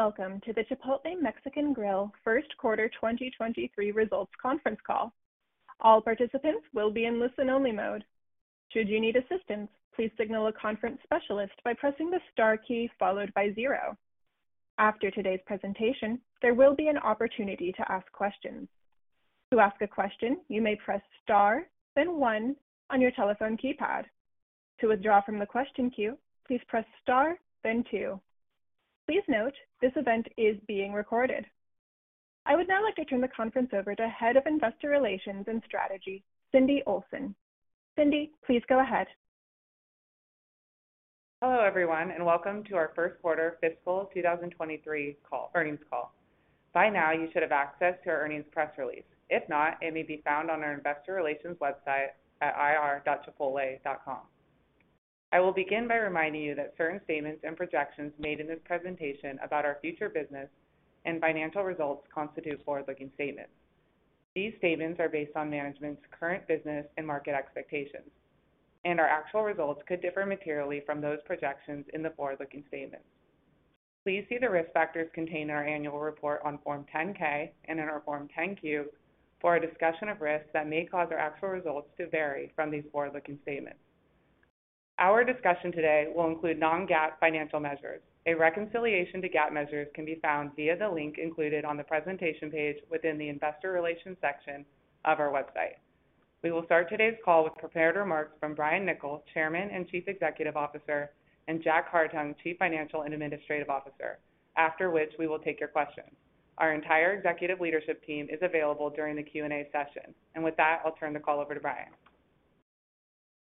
Hello. Welcome to the Chipotle Mexican Grill Q1 2023 Results Conference Call. All participants will be in listen-only mode. Should you need assistance, please signal a conference specialist by pressing the Star key followed by 0. After today's presentation, there will be an opportunity to ask questions. To ask a question, you may press Star, then 1 on your telephone keypad. To withdraw from the question queue, please press Star then 2. Please note, this event is being recorded. I would now like to turn the conference over to Head of Investor Relations and Strategy, Cindy Olsen. Cindy, please go ahead. Hello, everyone, welcome to our Q1 Fiscal 2023 Earnings Call. By now, you should have access to our earnings press release. If not, it may be found on our investor relations website at ir.chipotle.com. I will begin by reminding you that certain statements and projections made in this presentation about our future business and financial results constitute forward-looking statements. These statements are based on management's current business and market expectations. Our actual results could differ materially from those projections in the forward-looking statements. Please see the risk factors contained in our annual report on Form 10-K and in our Form 10-Q for a discussion of risks that may cause our actual results to vary from these forward-looking statements. Our discussion today will include non-GAAP financial measures. A reconciliation to GAAP measures can be found via the link included on the presentation page within the investor relations section of our website. We will start today's call with prepared remarks from Brian Niccol, Chairman and Chief Executive Officer, and Jack Hartung, Chief Financial and Administrative Officer, after which we will take your questions. Our entire executive leadership team is available during the Q&A session. With that, I'll turn the call over to Brian.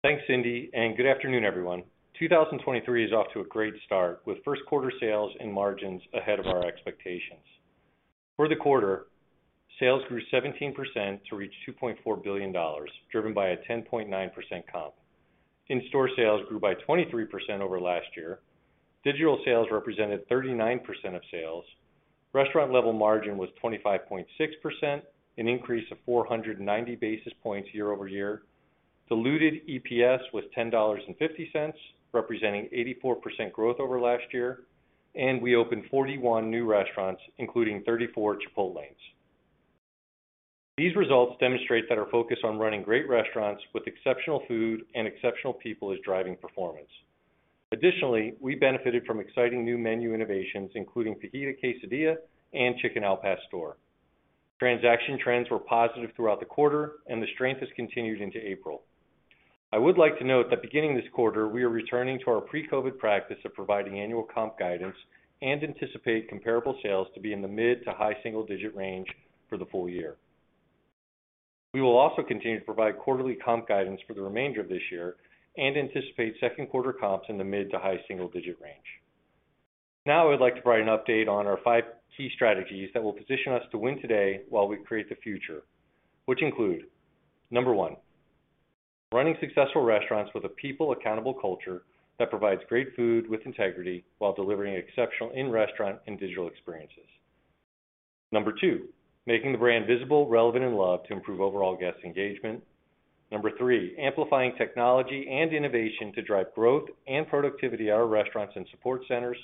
Thanks, Cindy. Good afternoon, everyone. 2023 is off to a great start with Q1 sales and margins ahead of our expectations. For the quarter, sales grew 17% to reach $2.4 billion, driven by a 10.9% comp. In-store sales grew by 23% over last year. Digital sales represented 39% of sales. Restaurant level margin was 25.6%, an increase of 490 basis points year-over-year. Diluted EPS was $10.50, representing 84% growth over last year. We opened 41 new restaurants, including 34 Chipotlanes. These results demonstrate that our focus on running great restaurants with exceptional food and exceptional people is driving performance. Additionally, we benefited from exciting new menu innovations, including Fajita Quesadilla and Chicken al Pastor. Transaction trends were positive throughout the quarter, and the strength has continued into April. I would like to note that beginning this quarter, we are returning to our pre-COVID practice of providing annual comp guidance and anticipate comparable sales to be in the mid to high single-digit range for the full year. We will also continue to provide quarterly comp guidance for the remainder of this year and anticipate Q2 comps in the mid to high single-digit range. Now, I would like to provide an update on our five key strategies that will position us to win today while we create the future, which include, number 1, running successful restaurants with a people accountable culture that provides great food with integrity while delivering exceptional in-restaurant and digital experiences. Number 2, making the brand visible, relevant, and loved to improve overall guest engagement. Number 3, amplifying technology and innovation to drive growth and productivity at our restaurants and support centers.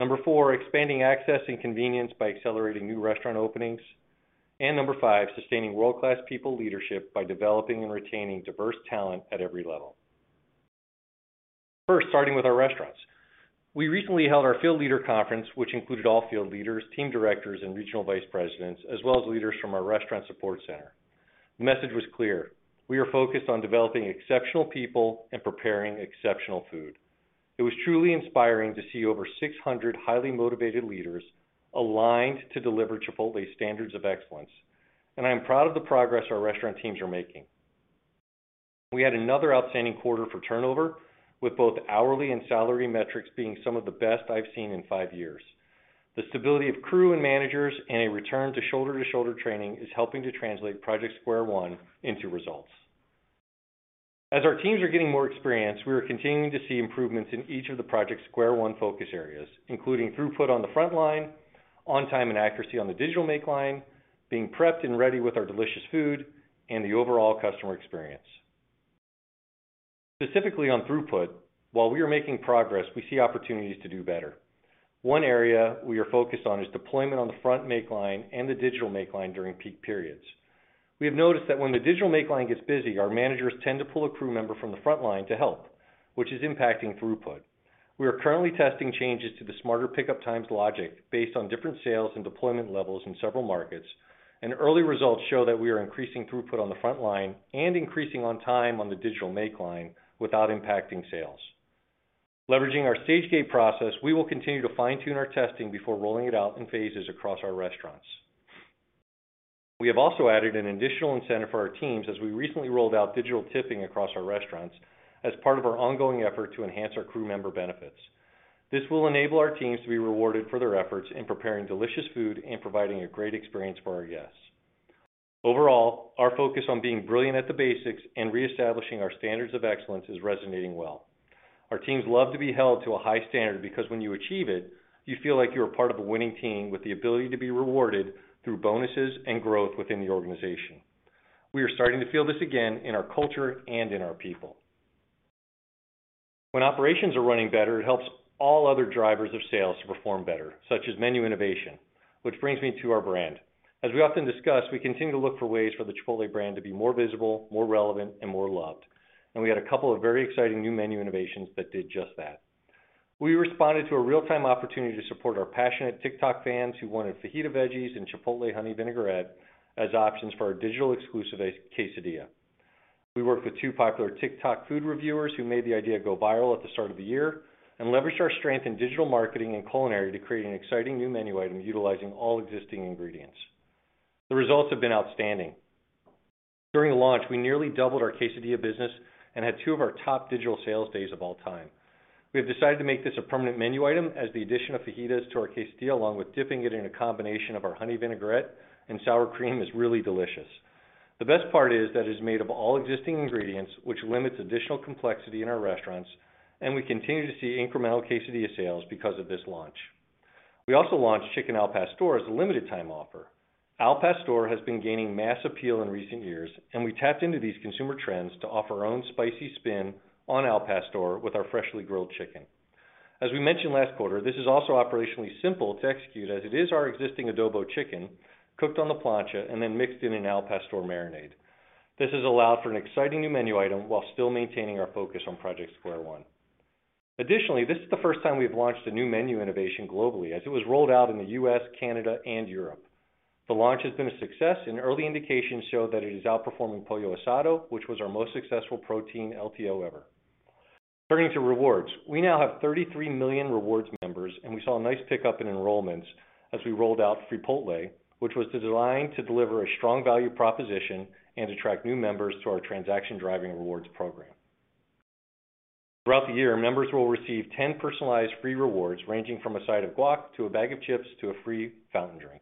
Number 4, expanding access and convenience by accelerating new restaurant openings. Number 5, sustaining world-class people leadership by developing and retaining diverse talent at every level. First, starting with our restaurants. We recently held our field leader conference, which included all field leaders, team directors, and regional vice presidents, as well as leaders from our restaurant support center. The message was clear: We are focused on developing exceptional people and preparing exceptional food. It was truly inspiring to see over 600 highly motivated leaders aligned to deliver Chipotle standards of excellence, and I am proud of the progress our restaurant teams are making. We had another outstanding quarter for turnover, with both hourly and salary metrics being some of the best I've seen in 5 years. The stability of crew and managers and a return to shoulder-to-shoulder training is helping to translate Project Square One into results. As our teams are getting more experienced, we are continuing to see improvements in each of the Project Square One focus areas, including throughput on the front line, on time and accuracy on the digital make line, being prepped and ready with our delicious food, and the overall customer experience. Specifically on throughput, while we are making progress, we see opportunities to do better. One area we are focused on is deployment on the front make line and the digital make line during peak periods. We have noticed that when the digital make line gets busy, our managers tend to pull a crew member from the front line to help, which is impacting throughput. We are currently testing changes to the smarter pickup times logic based on different sales and deployment levels in several markets, and early results show that we are increasing throughput on the front line and increasing on time on the digital make line without impacting sales. Leveraging our stage-gate process, we will continue to fine-tune our testing before rolling it out in phases across our restaurants. We have also added an additional incentive for our teams as we recently rolled out digital tipping across our restaurants as part of our ongoing effort to enhance our crew member benefits. This will enable our teams to be rewarded for their efforts in preparing delicious food and providing a great experience for our guests. Overall, our focus on being brilliant at the basics and reestablishing our standards of excellence is resonating well. Our teams love to be held to a high standard because when you achieve it, you feel like you are part of a winning team with the ability to be rewarded through bonuses and growth within the organization. We are starting to feel this again in our culture and in our people. When operations are running better, it helps all other drivers of sales to perform better, such as menu innovation, which brings me to our brand. As we often discuss, we continue to look for ways for the Chipotle brand to be more visible, more relevant, and more loved, and we had a couple of very exciting new menu innovations that did just that. We responded to a real-time opportunity to support our passionate TikTok fans who wanted Fajita veggies and Chipotle honey vinaigrette as options for our digital exclusive Quesadilla. We worked with two popular TikTok food reviewers who made the idea go viral at the start of the year and leveraged our strength in digital marketing and culinary to create an exciting new menu item utilizing all existing ingredients. The results have been outstanding. During the launch, we nearly doubled our Quesadilla business and had two of our top digital sales days of all time. We have decided to make this a permanent menu item as the addition of Fajitas to our Quesadilla, along with dipping it in a combination of our honey vinaigrette and sour cream, is really delicious. The best part is that it's made of all existing ingredients, which limits additional complexity in our restaurants, and we continue to see incremental Quesadilla sales because of this launch. We also launched Chicken al Pastor as a limited-time offer. Al Pastor has been gaining mass appeal in recent years, and we tapped into these consumer trends to offer our own spicy spin on al pastor with our freshly grilled chicken. As we mentioned last quarter, this is also operationally simple to execute as it is our existing Adobo chicken cooked on the plancha and then mixed in an al pastor marinade. This has allowed for an exciting new menu item while still maintaining our focus on Project Square One. This is the first time we've launched a new menu innovation globally as it was rolled out in the U.S., Canada, and Europe. The launch has been a success, early indications show that it is outperforming Pollo Asado, which was our most successful protein LTO ever. Turning to rewards. We now have 33 million rewards members. We saw a nice pickup in enrollments as we rolled out Freepotle, which was designed to deliver a strong value proposition and attract new members to our transaction driving rewards program. Throughout the year, members will receive 10 personalized free rewards, ranging from a side of guac to a bag of chips to a free fountain drink.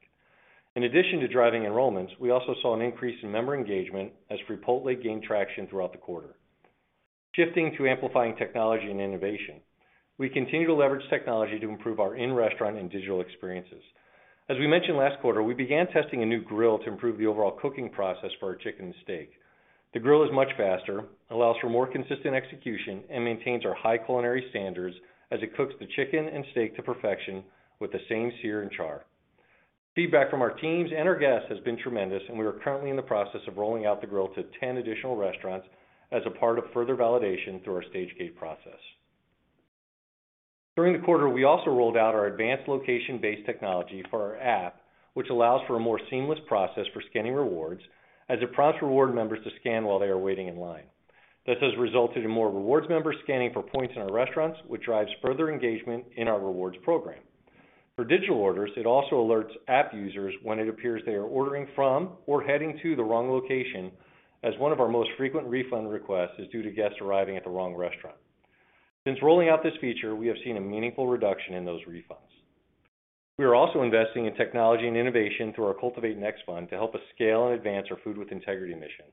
In addition to driving enrollments, we also saw an increase in member engagement as Freepotle gained traction throughout the quarter. Shifting to amplifying technology and innovation. We continue to leverage technology to improve our in-restaurant and digital experiences. As we mentioned last quarter, we began testing a new grill to improve the overall cooking process for our chicken and steak. The grill is much faster, allows for more consistent execution, and maintains our high culinary standards as it cooks the chicken and steak to perfection with the same sear and char. Feedback from our teams and our guests has been tremendous, and we are currently in the process of rolling out the grill to 10 additional restaurants as a part of further validation through our stage-gate process. During the quarter, we also rolled out our advanced location-based technology for our app, which allows for a more seamless process for scanning rewards as it prompts reward members to scan while they are waiting in line. This has resulted in more rewards members scanning for points in our restaurants, which drives further engagement in our rewards program. For digital orders, it also alerts app users when it appears they are ordering from or heading to the wrong location as one of our most frequent refund requests is due to guests arriving at the wrong restaurant. Since rolling out this feature, we have seen a meaningful reduction in those refunds. We are also investing in technology and innovation through our Cultivate Next fund to help us scale and advance our Food with Integrity mission.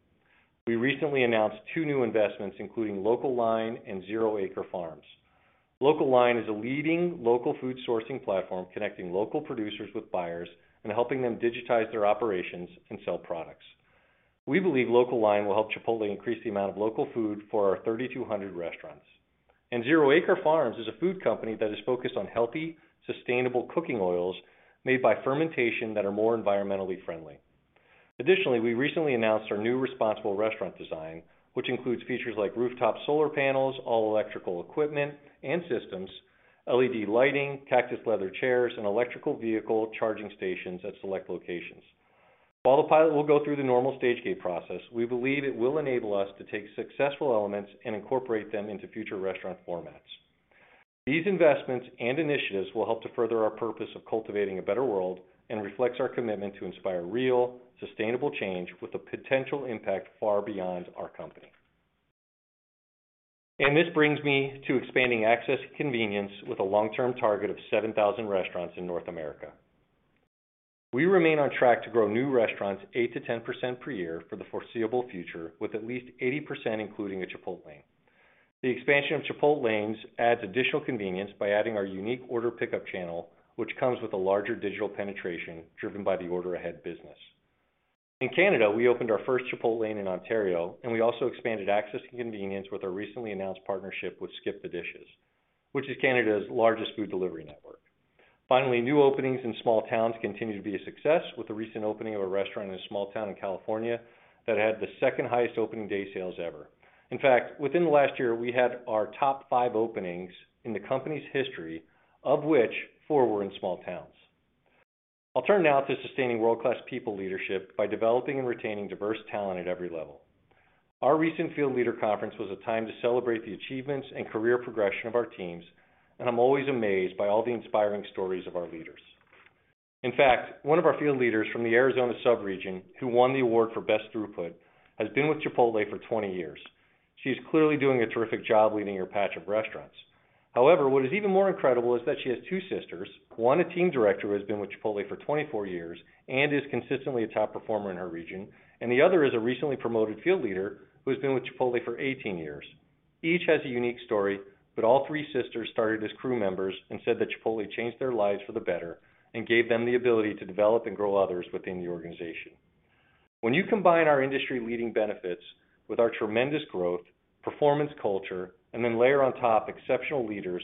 We recently announced two new investments, including Local Line and Zero Acre Farms. Local Line is a leading local food sourcing platform, connecting local producers with buyers and helping them digitize their operations and sell products. We believe Local Line will help Chipotle increase the amount of local food for our 3,200 restaurants. Zero Acre Farms is a food company that is focused on healthy, sustainable cooking oils made by fermentation that are more environmentally friendly. Additionally, we recently announced our new responsible restaurant design, which includes features like rooftop solar panels, all electrical equipment and systems, LED lighting, cactus leather chairs, and electrical vehicle charging stations at select locations. While the pilot will go through the normal stage-gate process, we believe it will enable us to take successful elements and incorporate them into future restaurant formats. These investments and initiatives will help to further our purpose of cultivating a better world and reflects our commitment to inspire real, sustainable change with a potential impact far beyond our company. This brings me to expanding access and convenience with a long-term target of 7,000 restaurants in North America. We remain on track to grow new restaurants 8-10% per year for the foreseeable future, with at least 80% including a Chipotlane. The expansion of Chipotlanes adds additional convenience by adding our unique order pickup channel, which comes with a larger digital penetration driven by the order ahead business. In Canada, we opened our first Chipotlane in Ontario, and we also expanded access and convenience with our recently announced partnership with SkipTheDishes, which is Canada's largest food delivery network. Finally, new openings in small towns continue to be a success with the recent opening of a restaurant in a small town in California that had the second highest opening day sales ever. In fact, within the last year, we had our top five openings in the company's history, of which four were in small towns. I'll turn now to sustaining world-class people leadership by developing and retaining diverse talent at every level. Our recent field leader conference was a time to celebrate the achievements and career progression of our teams, and I'm always amazed by all the inspiring stories of our leaders. In fact, one of our field leaders from the Arizona sub-region, who won the award for best throughput, has been with Chipotle for 20 years. She's clearly doing a terrific job leading her patch of restaurants. However, what is even more incredible is that she has two sisters, one a team director who has been with Chipotle for 24 years and is consistently a top performer in her region, and the other is a recently promoted field leader who has been with Chipotle for 18 years. Each has a unique story, all three sisters started as crew members and said that Chipotle changed their lives for the better and gave them the ability to develop and grow others within the organization. When you combine our industry-leading benefits with our tremendous growth, performance culture, and then layer on top exceptional leaders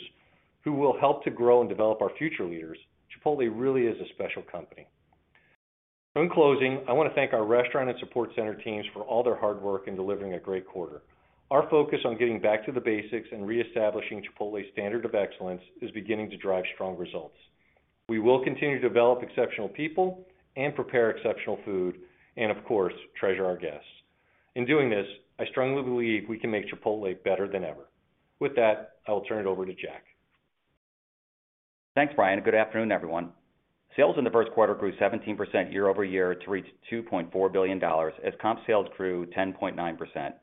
who will help to grow and develop our future leaders, Chipotle really is a special company. In closing, I want to thank our restaurant and support center teams for all their hard work in delivering a great quarter. Our focus on getting back to the basics and reestablishing Chipotle's standard of excellence is beginning to drive strong results. We will continue to develop exceptional people and prepare exceptional food and, of course, treasure our guests. In doing this, I strongly believe we can make Chipotle better than ever. With that, I will turn it over to Jack. Thanks, Brian. Good afternoon, everyone. Sales in the Q1 grew 17% year-over-year to reach $2.4 billion as comp sales grew 10.9%.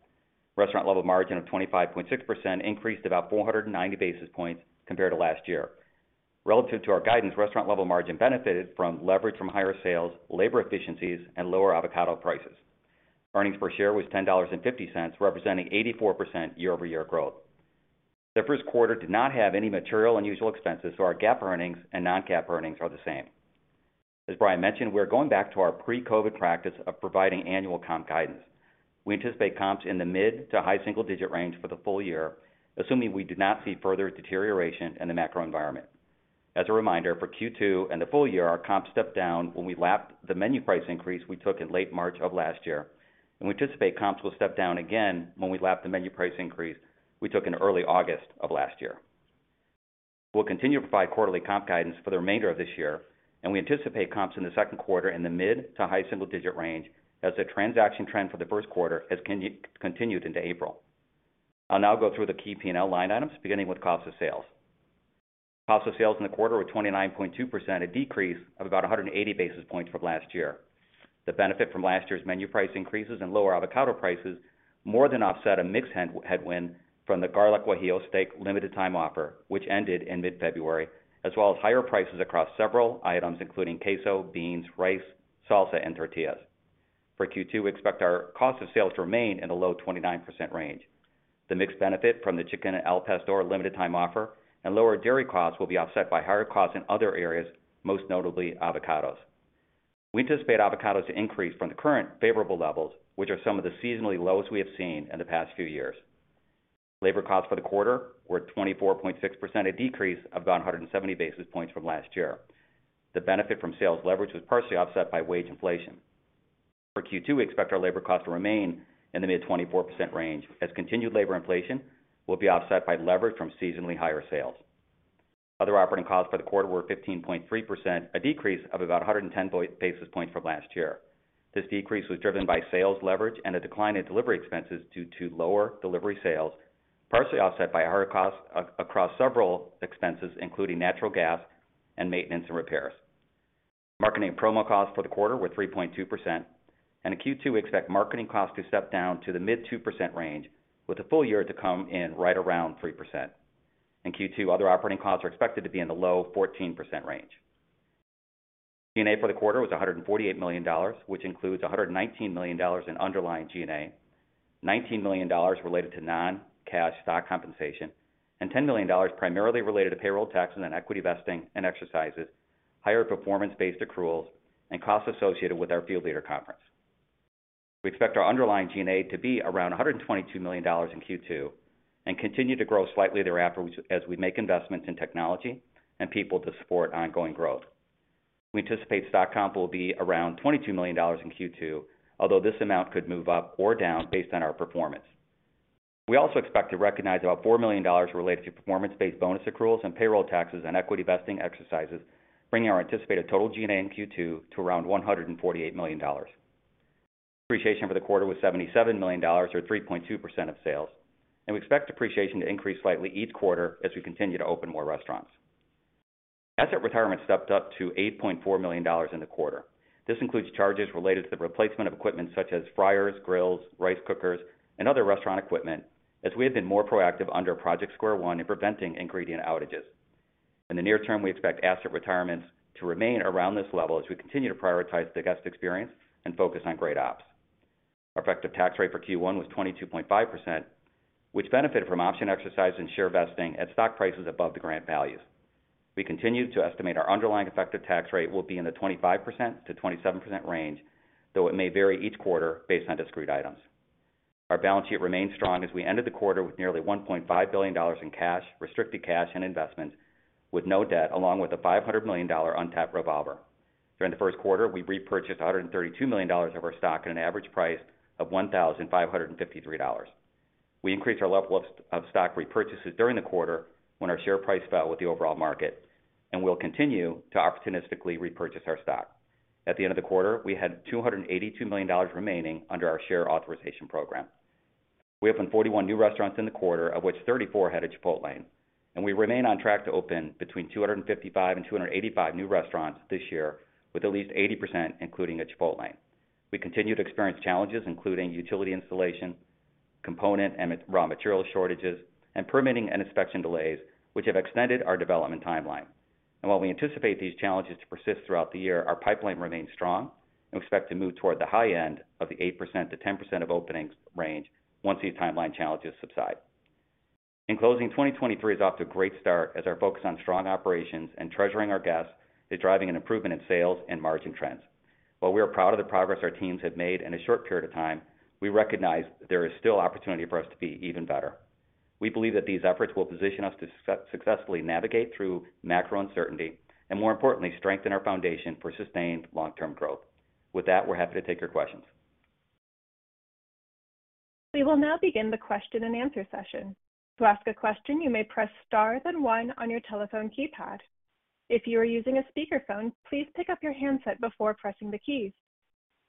Restaurant level margin of 25.6% increased about 490 basis points compared to last year. Relative to our guidance, restaurant level margin benefited from leverage from higher sales, labor efficiencies and lower avocado prices. Earnings per share was $10.50, representing 84% year-over-year growth. The Q1 did not have any material unusual expenses, so our GAAP earnings and non-GAAP earnings are the same. As Brian mentioned, we are going back to our pre-COVID practice of providing annual comp guidance. We anticipate comps in the mid to high single-digit range for the full year, assuming we do not see further deterioration in the macro environment. As a reminder, for Q2 and the full year, our comps stepped down when we lapped the menu price increase we took in late March of last year, and we anticipate comps will step down again when we lap the menu price increase we took in early August of last year. We'll continue to provide quarterly comp guidance for the remainder of this year, and we anticipate comps in the Q2 in the mid to high single digit range as the transaction trend for the Q1 has continued into April. I'll now go through the key P&L line items, beginning with cost of sales. Cost of sales in the quarter were 29.2%, a decrease of about 180 basis points from last year. The benefit from last year's menu price increases and lower avocado prices more than offset a mix headwind from the Garlic Guajillo Steak limited time offer, which ended in mid-February, as well as higher prices across several items, including queso, beans, rice, salsa, and tortillas. For Q2, we expect our cost of sales to remain in the low 29% range. The mixed benefit from the Chicken al Pastor limited time offer and lower dairy costs will be offset by higher costs in other areas, most notably avocados. We anticipate avocados to increase from the current favorable levels, which are some of the seasonally lowest we have seen in the past few years. Labor costs for the quarter were 24.6%, a decrease of about 170 basis points from last year. The benefit from sales leverage was partially offset by wage inflation. For Q2, we expect our labor cost to remain in the mid 24% range as continued labor inflation will be offset by leverage from seasonally higher sales. Other operating costs for the quarter were 15.3%, a decrease of about 110 basis points from last year. This decrease was driven by sales leverage and a decline in delivery expenses due to lower delivery sales, partially offset by higher costs across several expenses, including natural gas and maintenance and repairs. Marketing and promo costs for the quarter were 3.2%. In Q2, we expect marketing costs to step down to the mid 2% range with the full year to come in right around 3%. In Q2, other operating costs are expected to be in the low 14% range. G&A for the quarter was $148 million, which includes $119 million in underlying G&A, $19 million related to non-cash stock compensation, and $10 million primarily related to payroll taxes and equity vesting and exercises, higher performance-based accruals, and costs associated with our field leader conference. We expect our underlying G&A to be around $122 million in Q2 and continue to grow slightly thereafter as we make investments in technology and people to support ongoing growth. We anticipate stock comp will be around $22 million in Q2, although this amount could move up or down based on our performance. We also expect to recognize about $4 million related to performance-based bonus accruals and payroll taxes and equity vesting exercises, bringing our anticipated total G&A in Q2 to around $148 million. Depreciation for the quarter was $77 million or 3.2% of sales. We expect depreciation to increase slightly each quarter as we continue to open more restaurants. Asset retirement stepped up to $8.4 million in the quarter. This includes charges related to the replacement of equipment such as fryers, grills, rice cookers, and other restaurant equipment as we have been more proactive under Project Square One in preventing ingredient outages. In the near term, we expect asset retirements to remain around this level as we continue to prioritize the guest experience and focus on great ops. Our effective tax rate for Q1 was 22.5%, which benefited from option exercise and share vesting at stock prices above the grant values. We continue to estimate our underlying effective tax rate will be in the 25%-27% range, though it may vary each quarter based on discrete items. Our balance sheet remains strong as we ended the quarter with nearly $1.5 billion in cash, restricted cash and investments with no debt, along with a $500 million untapped revolver. During the Q1, we repurchased $132 million of our stock at an average price of $1,553. We increased our level of stock repurchases during the quarter when our share price fell with the overall market. We'll continue to opportunistically repurchase our stock. At the end of the quarter, we had $282 million remaining under our share authorization program. We opened 41 new restaurants in the quarter, of which 34 had a Chipotlane. We remain on track to open between 255 and 285 new restaurants this year, with at least 80% including a Chipotlane. We continue to experience challenges including utility installation, component and raw material shortages, and permitting and inspection delays, which have extended our development timeline. While we anticipate these challenges to persist throughout the year, our pipeline remains strong and we expect to move toward the high end of the 8%-10% of openings range once these timeline challenges subside. In closing, 2023 is off to a great start as our focus on strong operations and treasuring our guests is driving an improvement in sales and margin trends. While we are proud of the progress our teams have made in a short period of time, we recognize there is still opportunity for us to be even better. We believe that these efforts will position us to successfully navigate through macro uncertainty, and more importantly, strengthen our foundation for sustained long-term growth. With that, we're happy to take your questions. We will now begin the Q&A session. To ask a question, you may press star then one on your telephone keypad. If you are using a speakerphone, please pick up your handset before pressing the keys.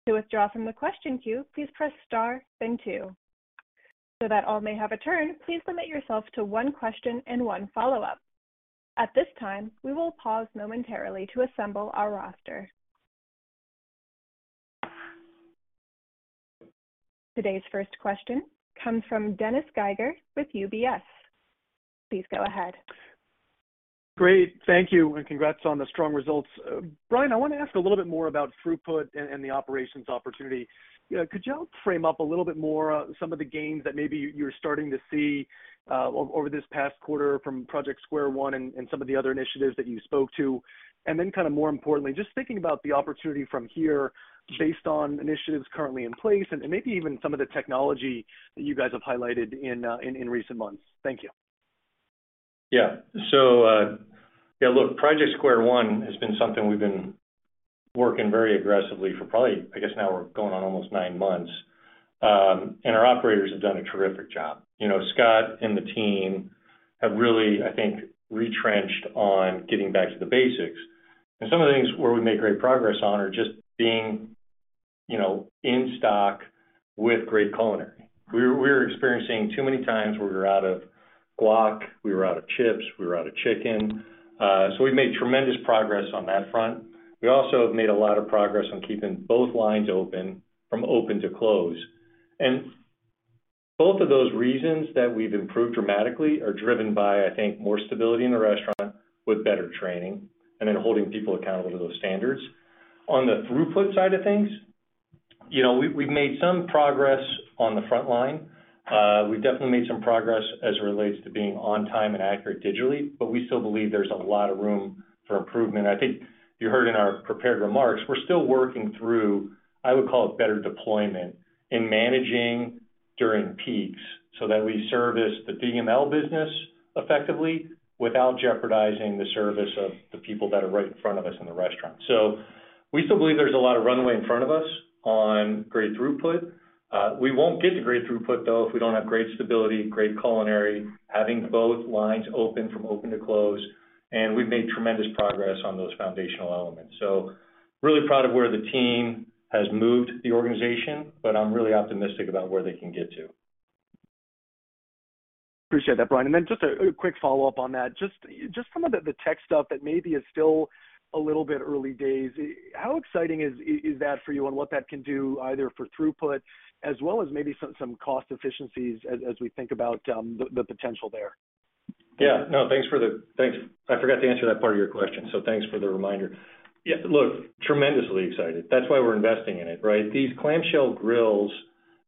To withdraw from the question queue, please press star then two. That all may have a turn, please limit yourself to one question and one follow-up. At this time, we will pause momentarily to assemble our roster. Today's first question comes from Dennis Geiger with UBS. Please go ahead. Great. Thank you, and congrats on the strong results. Brian, I want to ask a little bit more about throughput and the operations opportunity. Could you help frame up a little bit more, some of the gains that maybe you're starting to see, over this past quarter from Project Square One and some of the other initiatives that you spoke to? Then kind of more importantly, just thinking about the opportunity from here based on initiatives currently in place and maybe even some of the technology that you guys have highlighted in recent months. Thank you. Look, Project Square One has been something we've been working very aggressively for probably, I guess now we're going on almost nine months. Our operators have done a terrific job. You know, Scott and the team have really, I think, retrenched on getting back to the basics. Some of the things where we make great progress on are just being, you know, in stock with great culinary. We were experiencing too many times where we were out of guac, we were out of chips, we were out of chicken. We made tremendous progress on that front. We also have made a lot of progress on keeping both lines open from open to close. Both of those reasons that we've improved dramatically are driven by, I think, more stability in the restaurant with better training, and then holding people accountable to those standards. On the throughput side of things, you know, we've made some progress on the front line. We've definitely made some progress as it relates to being on time and accurate digitally, but we still believe there's a lot of room for improvement. I think you heard in our prepared remarks, we're still working through, I would call it better deployment in managing during peaks so that we service the DML business effectively without jeopardizing the service of the people that are right in front of us in the restaurant. We still believe there's a lot of runway in front of us on great throughput. We won't get to great throughput, though, if we don't have great stability, great culinary, having both lines open from open to close, and we've made tremendous progress on those foundational elements. Really proud of where the team has moved the organization, but I'm really optimistic about where they can get to. Appreciate that, Brian. Then just a quick follow-up on that. Just some of the tech stuff that maybe is still a little bit early days, how exciting is that for you and what that can do either for throughput as well as maybe some cost efficiencies as we think about the potential there? Yeah. No, thanks. I forgot to answer that part of your question, so thanks for the reminder. Yeah, look, tremendously excited. That's why we're investing in it, right? These clamshell grills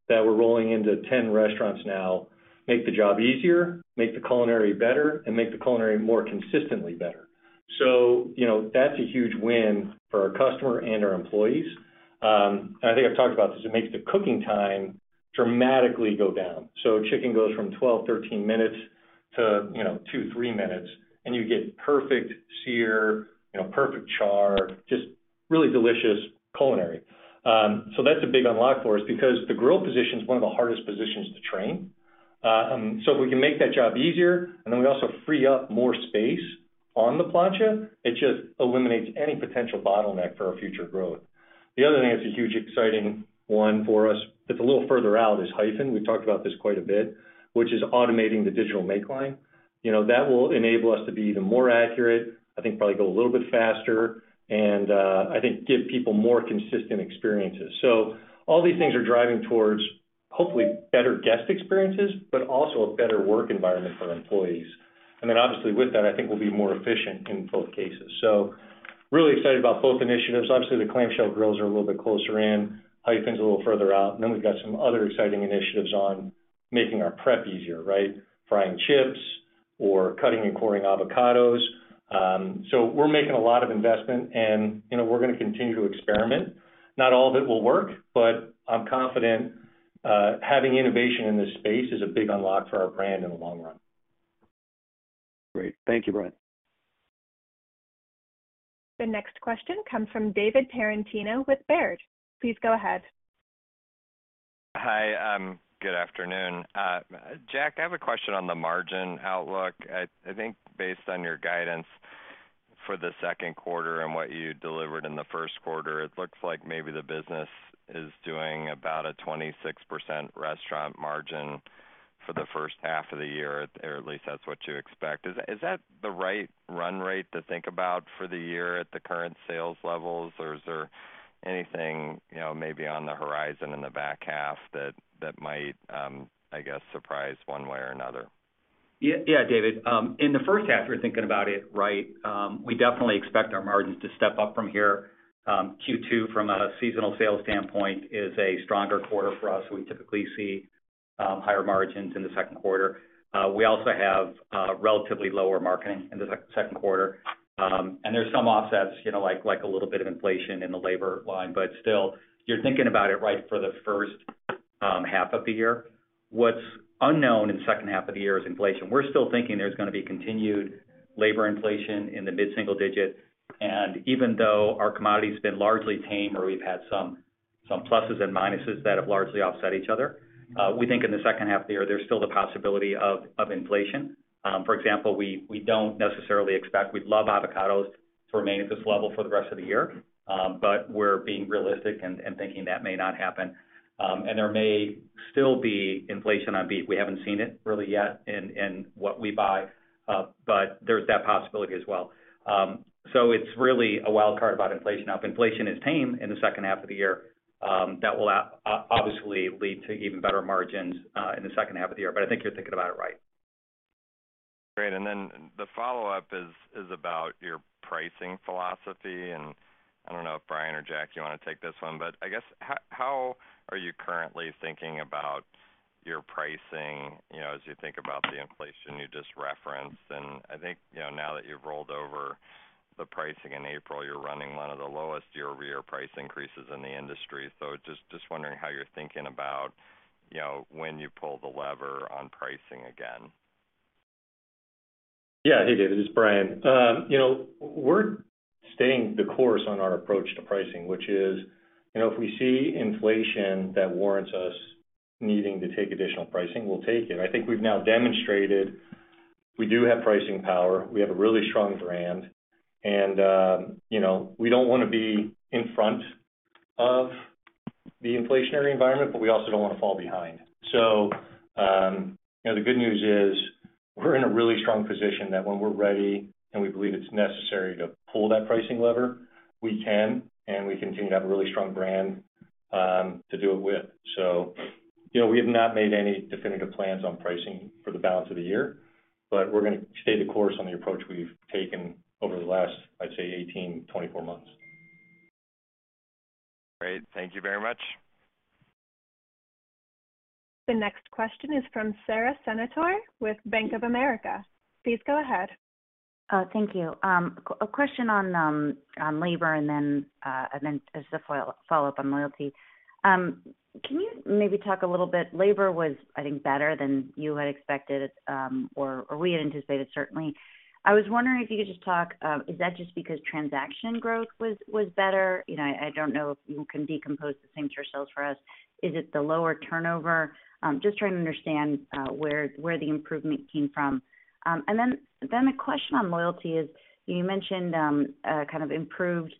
that we're rolling into 10 restaurants now make the job easier, make the culinary better, and make the culinary more consistently better. I think I've talked about this. It makes the cooking time dramatically go down. Chicken goes from 12, 13 minutes to, you know, 2, 3 minutes, and you get perfect sear, you know, perfect char, just really delicious culinary. That's a big unlock for us because the grill position is one of the hardest positions to train. If we can make that job easier, and then we also free up more space on the plancha, it just eliminates any potential bottleneck for our future growth. The other thing that's a huge exciting one for us that's a little further out is Hyphen. We've talked about this quite a bit, which is automating the digital makeline. You know, that will enable us to be even more accurate, I think probably go a little bit faster and, I think give people more consistent experiences. All these things are driving towards hopefully better guest experiences, but also a better work environment for our employees. Obviously with that, I think we'll be more efficient in both cases. Really excited about both initiatives. Obviously, the clamshell grills are a little bit closer in. Hyphen's a little further out. We've got some other exciting initiatives on making our prep easier, right? Frying chips or cutting and coring avocados. We're making a lot of investment and, you know, we're gonna continue to experiment. Not all of it will work, but I'm confident, having innovation in this space is a big unlock for our brand in the long run. Great. Thank you, Brian. The next question comes from David Tarantino with Baird. Please go ahead. Hi. Good afternoon. Jack, I have a question on the margin outlook. I think based on your guidance for the Q2 and what you delivered in the Q1, it looks like maybe the business is doing about a 26% restaurant margin for the first half of the year, or at least that's what you expect. Is that the right run rate to think about for the year at the current sales levels, or is there anything, you know, maybe on the horizon in the back half that might, I guess, surprise one way or another? Yeah. Yeah, David. In the first half, you're thinking about it, right. We definitely expect our margins to step up from here. Q2 from a seasonal sales standpoint is a stronger quarter for us. We typically see higher margins in the Q2. We also have relatively lower marketing in the Q2. There's some offsets, you know, like a little bit of inflation in the labor line, but still, you're thinking about it right for the first half of the year. What's unknown in the second half of the year is inflation. We're still thinking there's gonna be continued labor inflation in the mid-single digit. Even though our commodity has been largely tame or we've had some pluses and minuses that have largely offset each other, we think in the second half of the year, there's still the possibility of inflation. For example, we don't necessarily expect we'd love avocados to remain at this level for the rest of the year, but we're being realistic and thinking that may not happen. There may still be inflation on beef. We haven't seen it really yet in what we buy, but there's that possibility as well. It's really a wild card about inflation. If inflation is tame in the second half of the year, that will obvious lead to even better margins in the second half of the year. I think you're thinking about it right. Great. The follow-up is about your pricing philosophy. I don't know if Brian or Jack, you wanna take this one, but I guess, how are you currently thinking about your pricing, you know, as you think about the inflation you just referenced? I think, you know, now that you've rolled over the pricing in April, you're running 1 of the lowest year-over-year price increases in the industry. Just, just wondering how you're thinking about, you know, when you pull the lever on pricing again. Yeah. Hey, David, it's Brian. You know, we're staying the course on our approach to pricing, which is, you know, if we see inflation that warrants us needing to take additional pricing, we'll take it. I think we've now demonstrated we do have pricing power, we have a really strong brand, and, you know, we don't wanna be in front of the inflationary environment, but we also don't wanna fall behind. You know, the good news is we're in a really strong position that when we're ready and we believe it's necessary to pull that pricing lever, we can, and we continue to have a really strong brand, to do it with. You know, we have not made any definitive plans on pricing for the balance of the year, but we're gonna stay the course on the approach we've taken over the last, I'd say, 18, 24 months. Great. Thank you very much. The next question is from Sara Senatore with Bank of America. Please go ahead. Thank you. A question on labor and then just a follow-up on loyalty. Can you maybe talk a little bit, labor was, I think, better than you had expected, or we had anticipated, certainly. I was wondering if you could just talk, is that just because transaction growth was better? You know, I don't know if you can decompose the same yourselves for us. Is it the lower turnover? Just trying to understand where the improvement came from. The question on loyalty is, you mentioned kind of improved,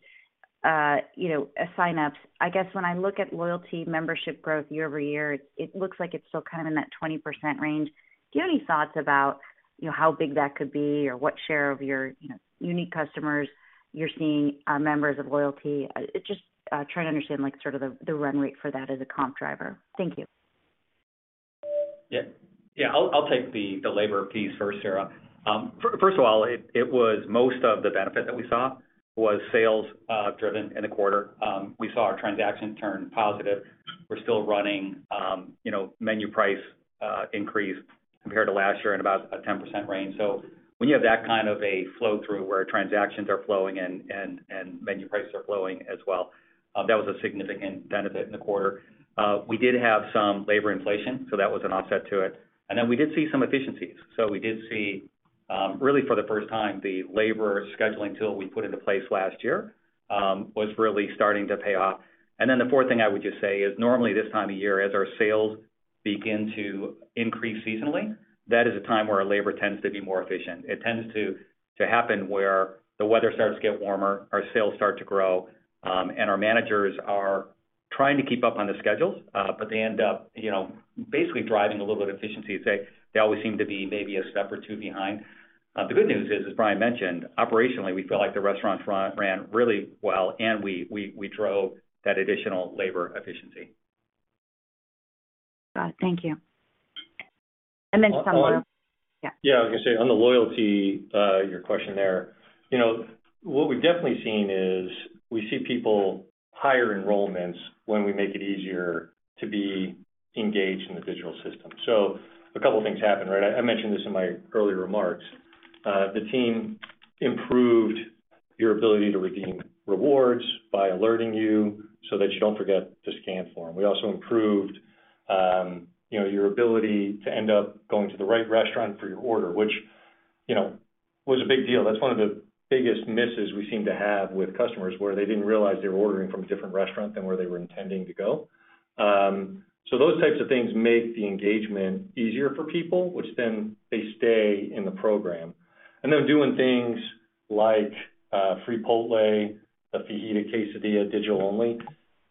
you know, signups. I guess when I look at loyalty membership growth year-over-year, it looks like it's still kind of in that 20% range. Do you have any thoughts about, you know, how big that could be or what share of your, you know, unique customers you're seeing are members of loyalty? Just trying to understand, like, sort of the run rate for that as a comp driver. Thank you. Yeah. Yeah. I'll take the labor piece first, Sara. First of all, it was most of the benefit that we saw was sales driven in the quarter. We saw our transaction turn positive. We're still running, you know, menu price increase compared to last year in about a 10% range. When you have that kind of a flow through where transactions are flowing and menu prices are flowing as well, that was a significant benefit in the quarter. We did have some labor inflation, so that was an offset to it. We did see some efficiencies. We did see, really for the first time, the labor scheduling tool we put into place last year, was really starting to pay off. The fourth thing I would just say is normally this time of year, as our sales begin to increase seasonally, that is a time where our labor tends to be more efficient. It tends to happen where the weather starts to get warmer, our sales start to grow, and our managers are trying to keep up on the schedules, but they end up, you know, basically driving a little bit of efficiency. They always seem to be maybe a step or two behind. The good news is, as Brian mentioned, operationally, we feel like the restaurant ran really well, and we drove that additional labor efficiency. Got it. Thank you. Then just on the... Yeah. Yeah, I was gonna say on the loyalty, your question there, you know, what we've definitely seen is we see people higher enrollments when we make it easier to be engaged in the digital system. A couple of things happened, right? I mentioned this in my earlier remarks. The team improved your ability to redeem rewards by alerting you so that you don't forget to scan for them. We also improved, you know, your ability to end up going to the right restaurant for your order, which, you know, was a big deal. That's one of the biggest misses we seem to have with customers, where they didn't realize they were ordering from a different restaurant than where they were intending to go. Those types of things make the engagement easier for people, which then they stay in the program. Doing things like Freepotle, the Fajita Quesadilla, digital-only,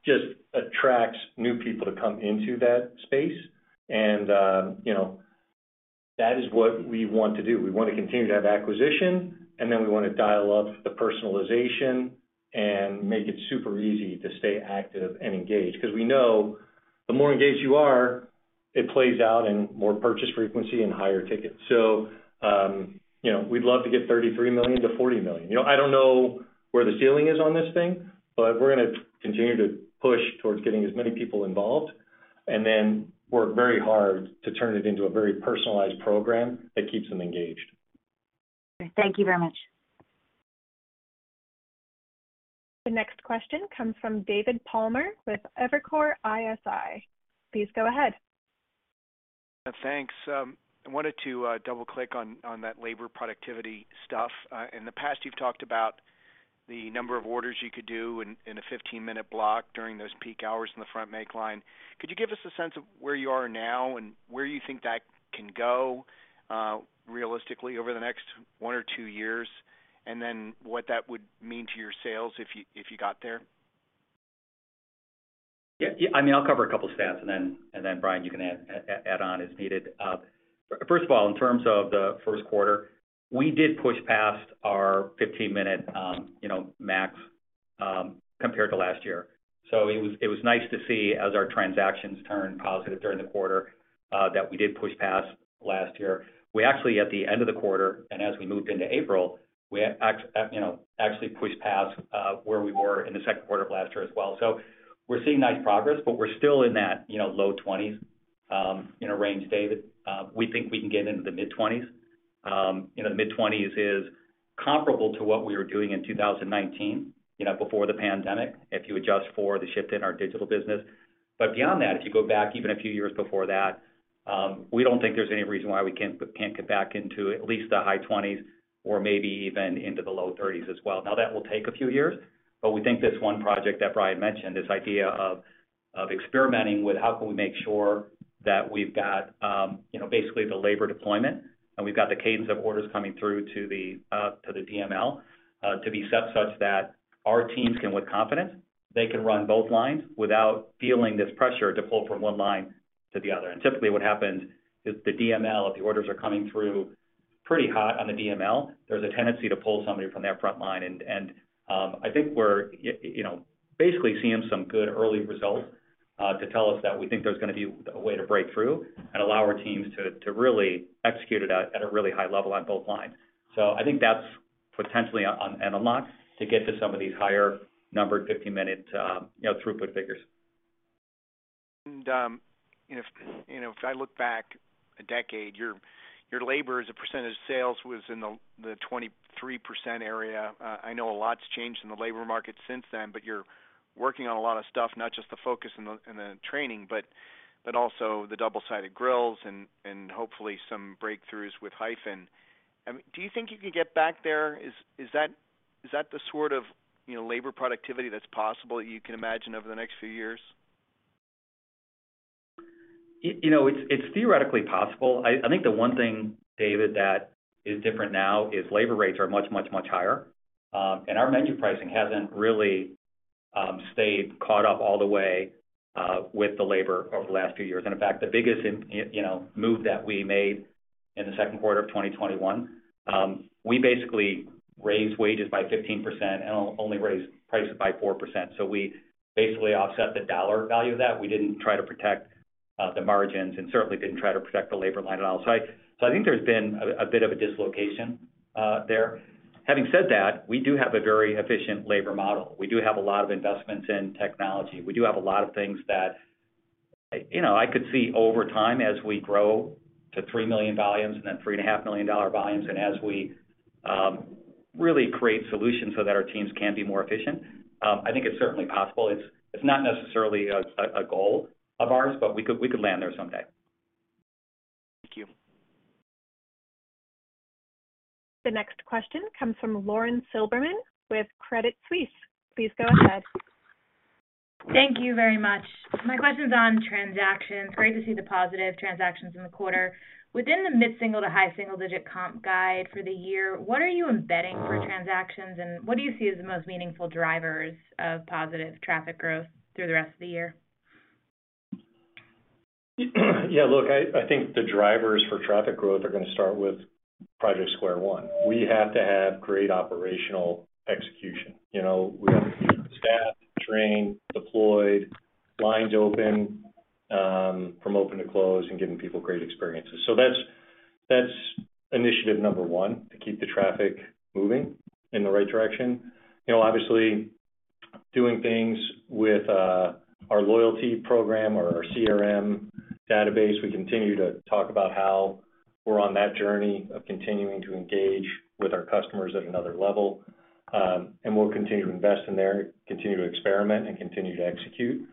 just attracts new people to come into that space. You know, that is what we want to do. We wanna continue to have acquisition, and then we wanna dial up the personalization and make it super easy to stay active and engaged. Because we know the more engaged you are, it plays out in more purchase frequency and higher tickets. You know, we'd love to get $33 million-$40 million. You know, I don't know where the ceiling is on this thing, but we're gonna continue to push towards getting as many people involved and then work very hard to turn it into a very personalized program that keeps them engaged. Thank you very much. The next question comes from David Palmer with Evercore ISI. Please go ahead. Thanks. I wanted to double-click on that labor productivity stuff. In the past, you've talked about the number of orders you could do in a 15-minute block during those peak hours in the front makeline. Could you give us a sense of where you are now and where you think that can go realistically over the next 1 or 2 years, and then what that would mean to your sales if you got there? I mean, I'll cover a couple of stats and then, and then Brian, you can add on as needed. First of all, in terms of the Q1, we did push past our 15-minute, you know, max, compared to last year. It was nice to see as our transactions turned positive during the quarter, that we did push past last year. We actually at the end of the quarter, and as we moved into April, we you know, actually pushed past where we were in the Q2 of last year as well. We're seeing nice progress, but we're still in that, you know, low 20s, you know, range, David. We think we can get into the mid-20s. you know, the mid-20s is comparable to what we were doing in 2019, you know, before the pandemic, if you adjust for the shift in our digital business. Beyond that, if you go back even a few years before that, we don't think there's any reason why we can't get back into at least the high 20s or maybe even into the low 30s as well. Now, that will take a few years, but we think this one project that Brian mentioned, this idea of experimenting with how can we make sure that we've got, you know, basically the labor deployment, and we've got the cadence of orders coming through to the DML, to be set such that our teams can with confidence, they can run both lines without feeling this pressure to pull from one line to the other. Typically, what happens is the DML, if the orders are coming through pretty hot on the DML, there's a tendency to pull somebody from their front line. I think we're, you know, basically seeing some good early results, to tell us that we think there's gonna be a way to break through and allow our teams to really execute it at a really high level on both lines. I think that's potentially an unlock to get to some of these higher numbered 15-minute, you know, throughput figures. You know, if, you know, if I look back a decade, your labor as a percentage of sales was in the 23% area. I know a lot's changed in the labor market since then, but you're working on a lot of stuff, not just the focus and the, and the training, but also the double-sided grills and hopefully some breakthroughs with Hyphen. I mean, do you think you could get back there? Is that the sort of, you know, labor productivity that's possible you can imagine over the next few years? You know, it's theoretically possible. I think the one thing, David, that is different now is labor rates are much, much, much higher, and our menu pricing hasn't really stayed caught up all the way with the labor over the last few years. In fact, the biggest, you know, move that we made in the Q2 of 2021, we basically raised wages by 15% and only raised prices by 4%. We basically offset the dollar value of that. We didn't try to protect the margins and certainly didn't try to protect the labor line at all. I think there's been a bit of a dislocation there. Having said that, we do have a very efficient labor model. We do have a lot of investments in technology. We do have a lot of things that, you know, I could see over time as we grow to 3 million volumes and then 3 and a half million dollar volumes and as we really create solutions so that our teams can be more efficient, I think it's certainly possible. It's not necessarily a goal of ours, but we could land there someday. Thank you. The next question comes from Lauren Silberman with Credit Suisse. Please go ahead. Thank you very much. My question's on transactions. Great to see the positive transactions in the quarter. Within the mid-single to high single-digit comp guide for the year, what are you embedding for transactions? What do you see as the most meaningful drivers of positive traffic growth through the rest of the year? Look, I think the drivers for traffic growth are gonna start with Project Square One. We have to have great operational execution. You know, we have to keep the staff trained, deployed, lines open, from open to close and giving people great experiences. That's initiative number one to keep the traffic moving in the right direction. You know, obviously doing things with our loyalty program or our CRM database. We continue to talk about how we're on that journey of continuing to engage with our customers at another level. We'll continue to invest in there, continue to experiment, and continue to execute.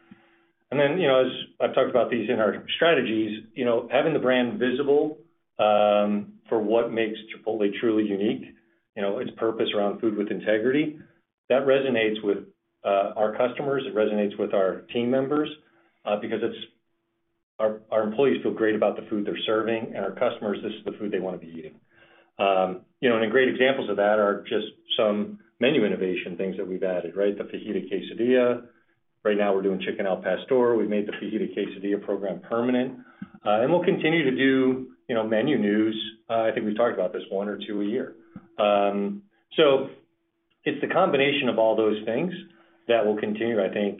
You know, as I've talked about these in our strategies, you know, having the brand visible, for what makes Chipotle truly unique, you know, its purpose around Food with Integrity, that resonates with our customers. It resonates with our team members, because our employees feel great about the food they're serving, and our customers, this is the food they wanna be eating. You know, and great examples of that are just some menu innovation things that we've added, right. The Fajita Quesadilla. Right now we're doing Chicken al Pastor. We made the Fajita Quesadilla program permanent. We'll continue to do, you know, menu news, I think we talked about this, one or two a year. It's the combination of all those things that will continue, I think,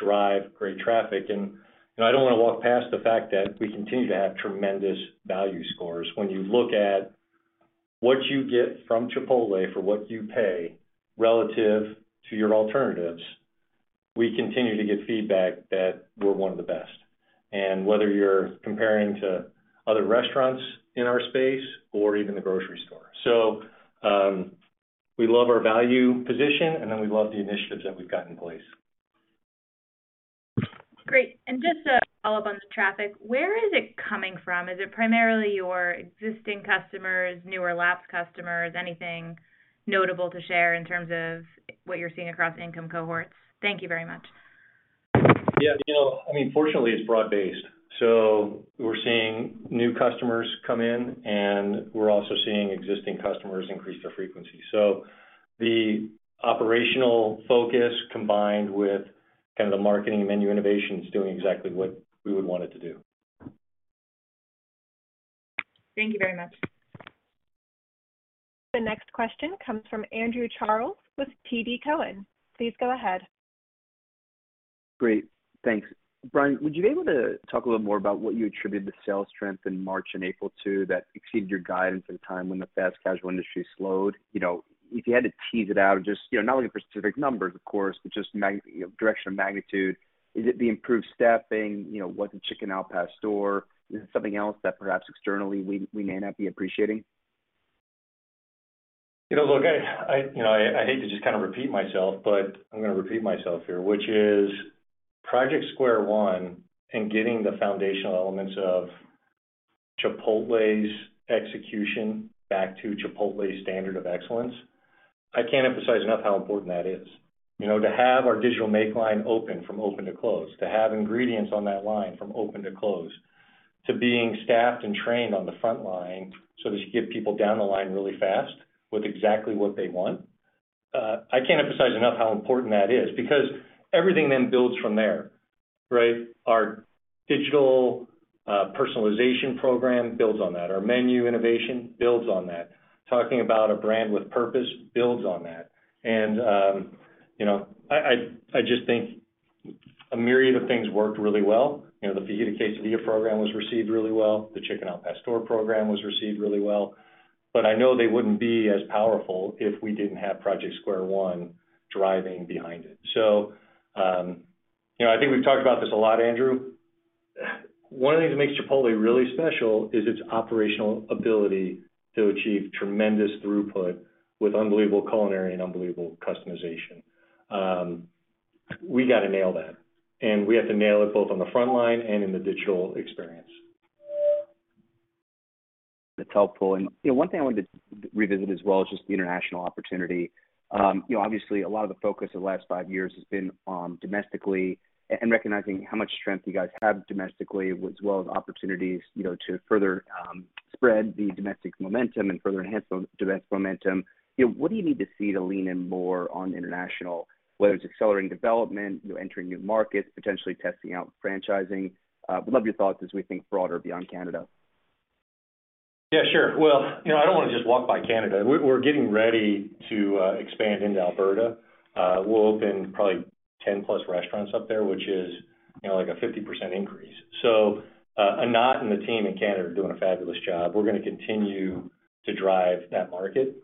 drive great traffic. I don't want to walk past the fact that we continue to have tremendous value scores. When you look at what you get from Chipotle for what you pay relative to your alternatives, we continue to get feedback that we're one of the best. Whether you're comparing to other restaurants in our space or even the grocery store. We love our value position, and then we love the initiatives that we've got in place. Great. Just to follow up on the traffic, where is it coming from? Is it primarily your existing customers, newer lapsed customers? Anything notable to share in terms of what you're seeing across income cohorts? Thank you very much. Yeah, you know, I mean, fortunately, it's broad-based. We're seeing new customers come in, and we're also seeing existing customers increase their frequency. The operational focus, combined with kind of the marketing menu innovation, is doing exactly what we would want it to do. Thank you very much. The next question comes from Andrew Charles with TD Cowen. Please go ahead. Great. Thanks. Brian, would you be able to talk a little more about what you attribute the sales strength in March and April to that exceeded your guidance at a time when the fast-casual industry slowed? You know, if you had to tease it out, just, you know, not looking for specific numbers, of course, but just you know, direction of magnitude. Is it the improved staffing? You know, was it Chicken al Pastor? Is it something else that perhaps externally we may not be appreciating? You know, look, I, you know, I hate to just kind of repeat myself, but I'm going to repeat myself here, which is Project Square One and getting the foundational elements of Chipotle's execution back to Chipotle's standard of excellence. I can't emphasize enough how important that is. You know, to have our digital make line open from open to close, to have ingredients on that line from open to close, to being staffed and trained on the front line so that you get people down the line really fast with exactly what they want. I can't emphasize enough how important that is because everything then builds from there, right? Our digital personalization program builds on that. Our menu innovation builds on that. Talking about a brand with purpose builds on that. You know, I, I just think a myriad of things worked really well. You know, the Fajita Quesadilla program was received really well. The Chicken al Pastor program was received really well. I know they wouldn't be as powerful if we didn't have Project Square One driving behind it. You know, I think we've talked about this a lot, Andrew. One of the things that makes Chipotle really special is its operational ability to achieve tremendous throughput with unbelievable culinary and unbelievable customization. We got to nail that, and we have to nail it both on the front line and in the digital experience. That's helpful. You know, one thing I wanted to revisit as well is just the international opportunity. You know, obviously, a lot of the focus of the last five years has been on domestically and recognizing how much strength you guys have domestically, as well as opportunities, you know, to further spread the domestic momentum and further enhance the domestic momentum. You know, what do you need to see to lean in more on international, whether it's accelerating development, you entering new markets, potentially testing out franchising? Would love your thoughts as we think broader beyond Canada. Yeah, sure. Well, you know, I don't want to just walk by Canada. We're getting ready to expand into Alberta. We'll open probably 10 plus restaurants up there, which is, you know, like a 50% increase. Anat and the team in Canada are doing a fabulous job. We're going to continue to drive that market.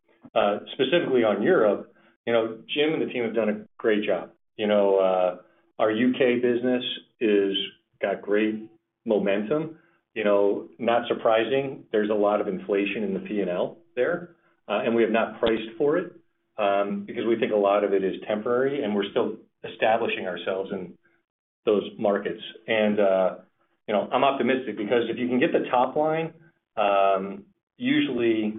Specifically on Europe, you know, Jim and the team have done a great job. You know, our U.K. business is got great momentum. You know, not surprising, there's a lot of inflation in the P&L there, and we have not priced for it, because we think a lot of it is temporary and we're still establishing ourselves in those markets. You know, I'm optimistic because if you can get the top line, usually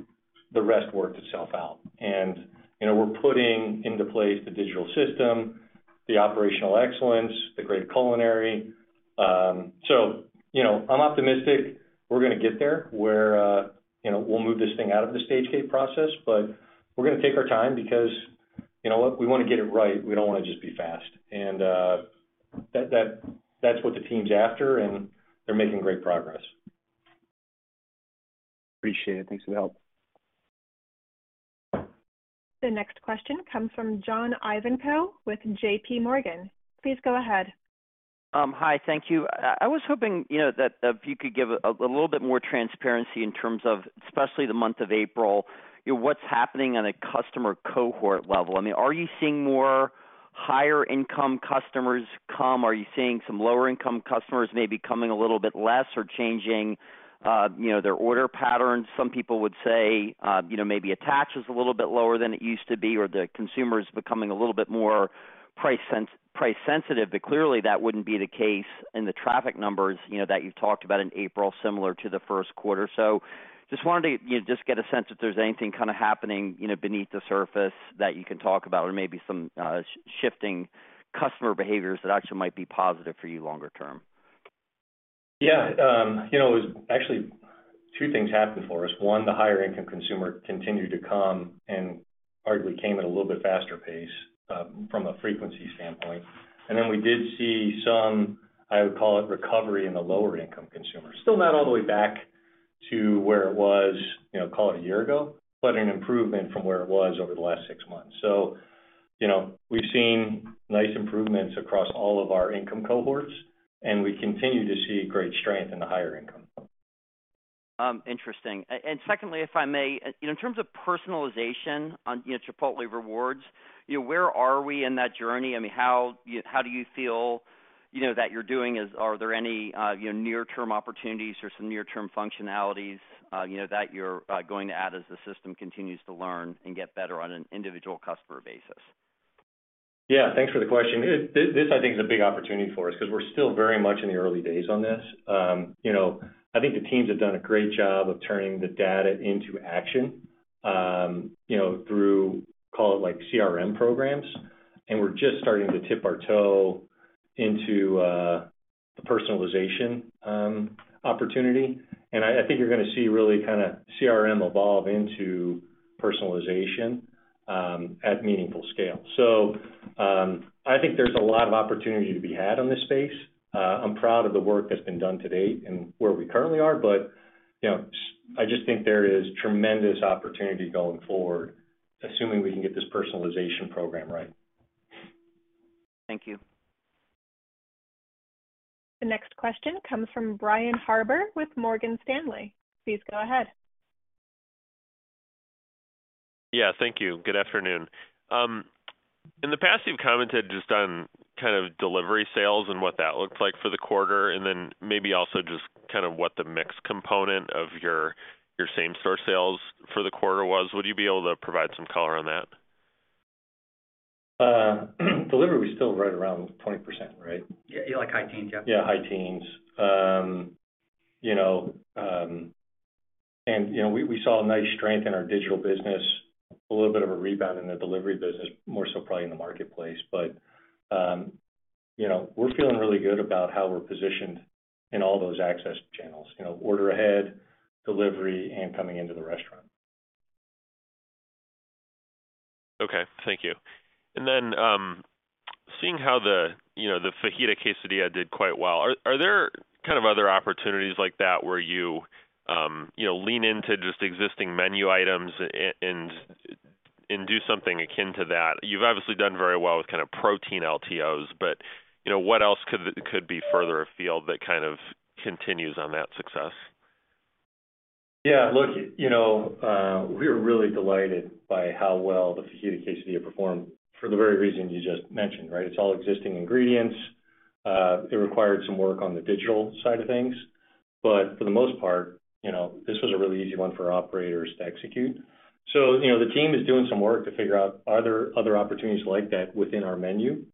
the rest works itself out. You know, we're putting into place the digital system, the operational excellence, the great culinary. You know, I'm optimistic we're going to get there where, you know, we'll move this thing out of the stage-gate process. We're going to take our time because, you know, we want to get it right. We don't want to just be fast. That's what the team's after, and they're making great progress. Appreciate it. Thanks for the help. The next question comes from John Ivankoe with J.P. Morgan. Please go ahead. Hi. Thank you. I was hoping, you know, that if you could give a little bit more transparency in terms of, especially the month of April, you know, what's happening on a customer cohort level. I mean, are you seeing more higher income customers come? Are you seeing some lower income customers maybe coming a little bit less or changing, you know, their order patterns? Some people would say, you know, maybe attach is a little bit lower than it used to be or the consumer is becoming a little bit more price sensitive, clearly that wouldn't be the case in the traffic numbers, you know, that you've talked about in April, similar to the Q1. Just wanted to, you know, just get a sense if there's anything kind of happening, you know, beneath the surface that you can talk about or maybe some shifting customer behaviors that actually might be positive for you longer term. Yeah. You know, actually 2 things happened for us. One, the higher income consumer continued to come and arguably came at a little bit faster pace, from a frequency standpoint. We did see some, I would call it recovery in the lower income consumer. Still not all the way back to where it was, you know, call it a year ago, but an improvement from where it was over the last 6 months. You know, we've seen nice improvements across all of our income cohorts, and we continue to see great strength in the higher income. Interesting. Secondly, if I may, in terms of personalization on, you know, Chipotle Rewards, you know, where are we in that journey? I mean, how do you feel, you know, that you're doing? Are there any, you know, near-term opportunities or some near-term functionalities, you know, that you're going to add as the system continues to learn and get better on an individual customer basis? Yeah. Thanks for the question. This, I think is a big opportunity for us 'cause we're still very much in the early days on this. You know, I think the teams have done a great job of turning the data into action, you know, through, call it like CRM programs. We're just starting to tip our toe into the personalization opportunity. I think you're gonna see really kinda CRM evolve into personalization at meaningful scale. I think there's a lot of opportunity to be had on this space. I'm proud of the work that's been done to date and where we currently are, but, you know, I just think there is tremendous opportunity going forward, assuming we can get this personalization program right. Thank you. The next question comes from Brian Harbour with Morgan Stanley. Please go ahead. Yeah, thank you. Good afternoon. In the past, you've commented just on kind of delivery sales and what that looks like for the quarter, and then maybe also just kind of what the mix component of your same store sales for the quarter was. Would you be able to provide some color on that? Delivery was still right around 20%, right? Yeah. Yeah, like high teens. Yeah. Yeah, high teens. You know, we saw a nice strength in our digital business, a little bit of a rebound in the delivery business, more so probably in the marketplace. You know, we're feeling really good about how we're positioned in all those access channels, you know, order ahead, delivery, and coming into the restaurant. Okay. Thank you. Seeing how the, you know, the Fajita Quesadilla did quite well, are there kind of other opportunities like that where you know, lean into just existing menu items and do something akin to that? You've obviously done very well with kind of protein LTOs, but, you know, what else could be further afield that kind of continues on that success? Yeah. Look, you know, we are really delighted by how well the Fajita Quesadilla performed for the very reason you just mentioned, right? It's all existing ingredients. It required some work on the digital side of things, but for the most part, you know, this was a really easy one for operators to execute. You know, the team is doing some work to figure out are there other opportunities like that within our menu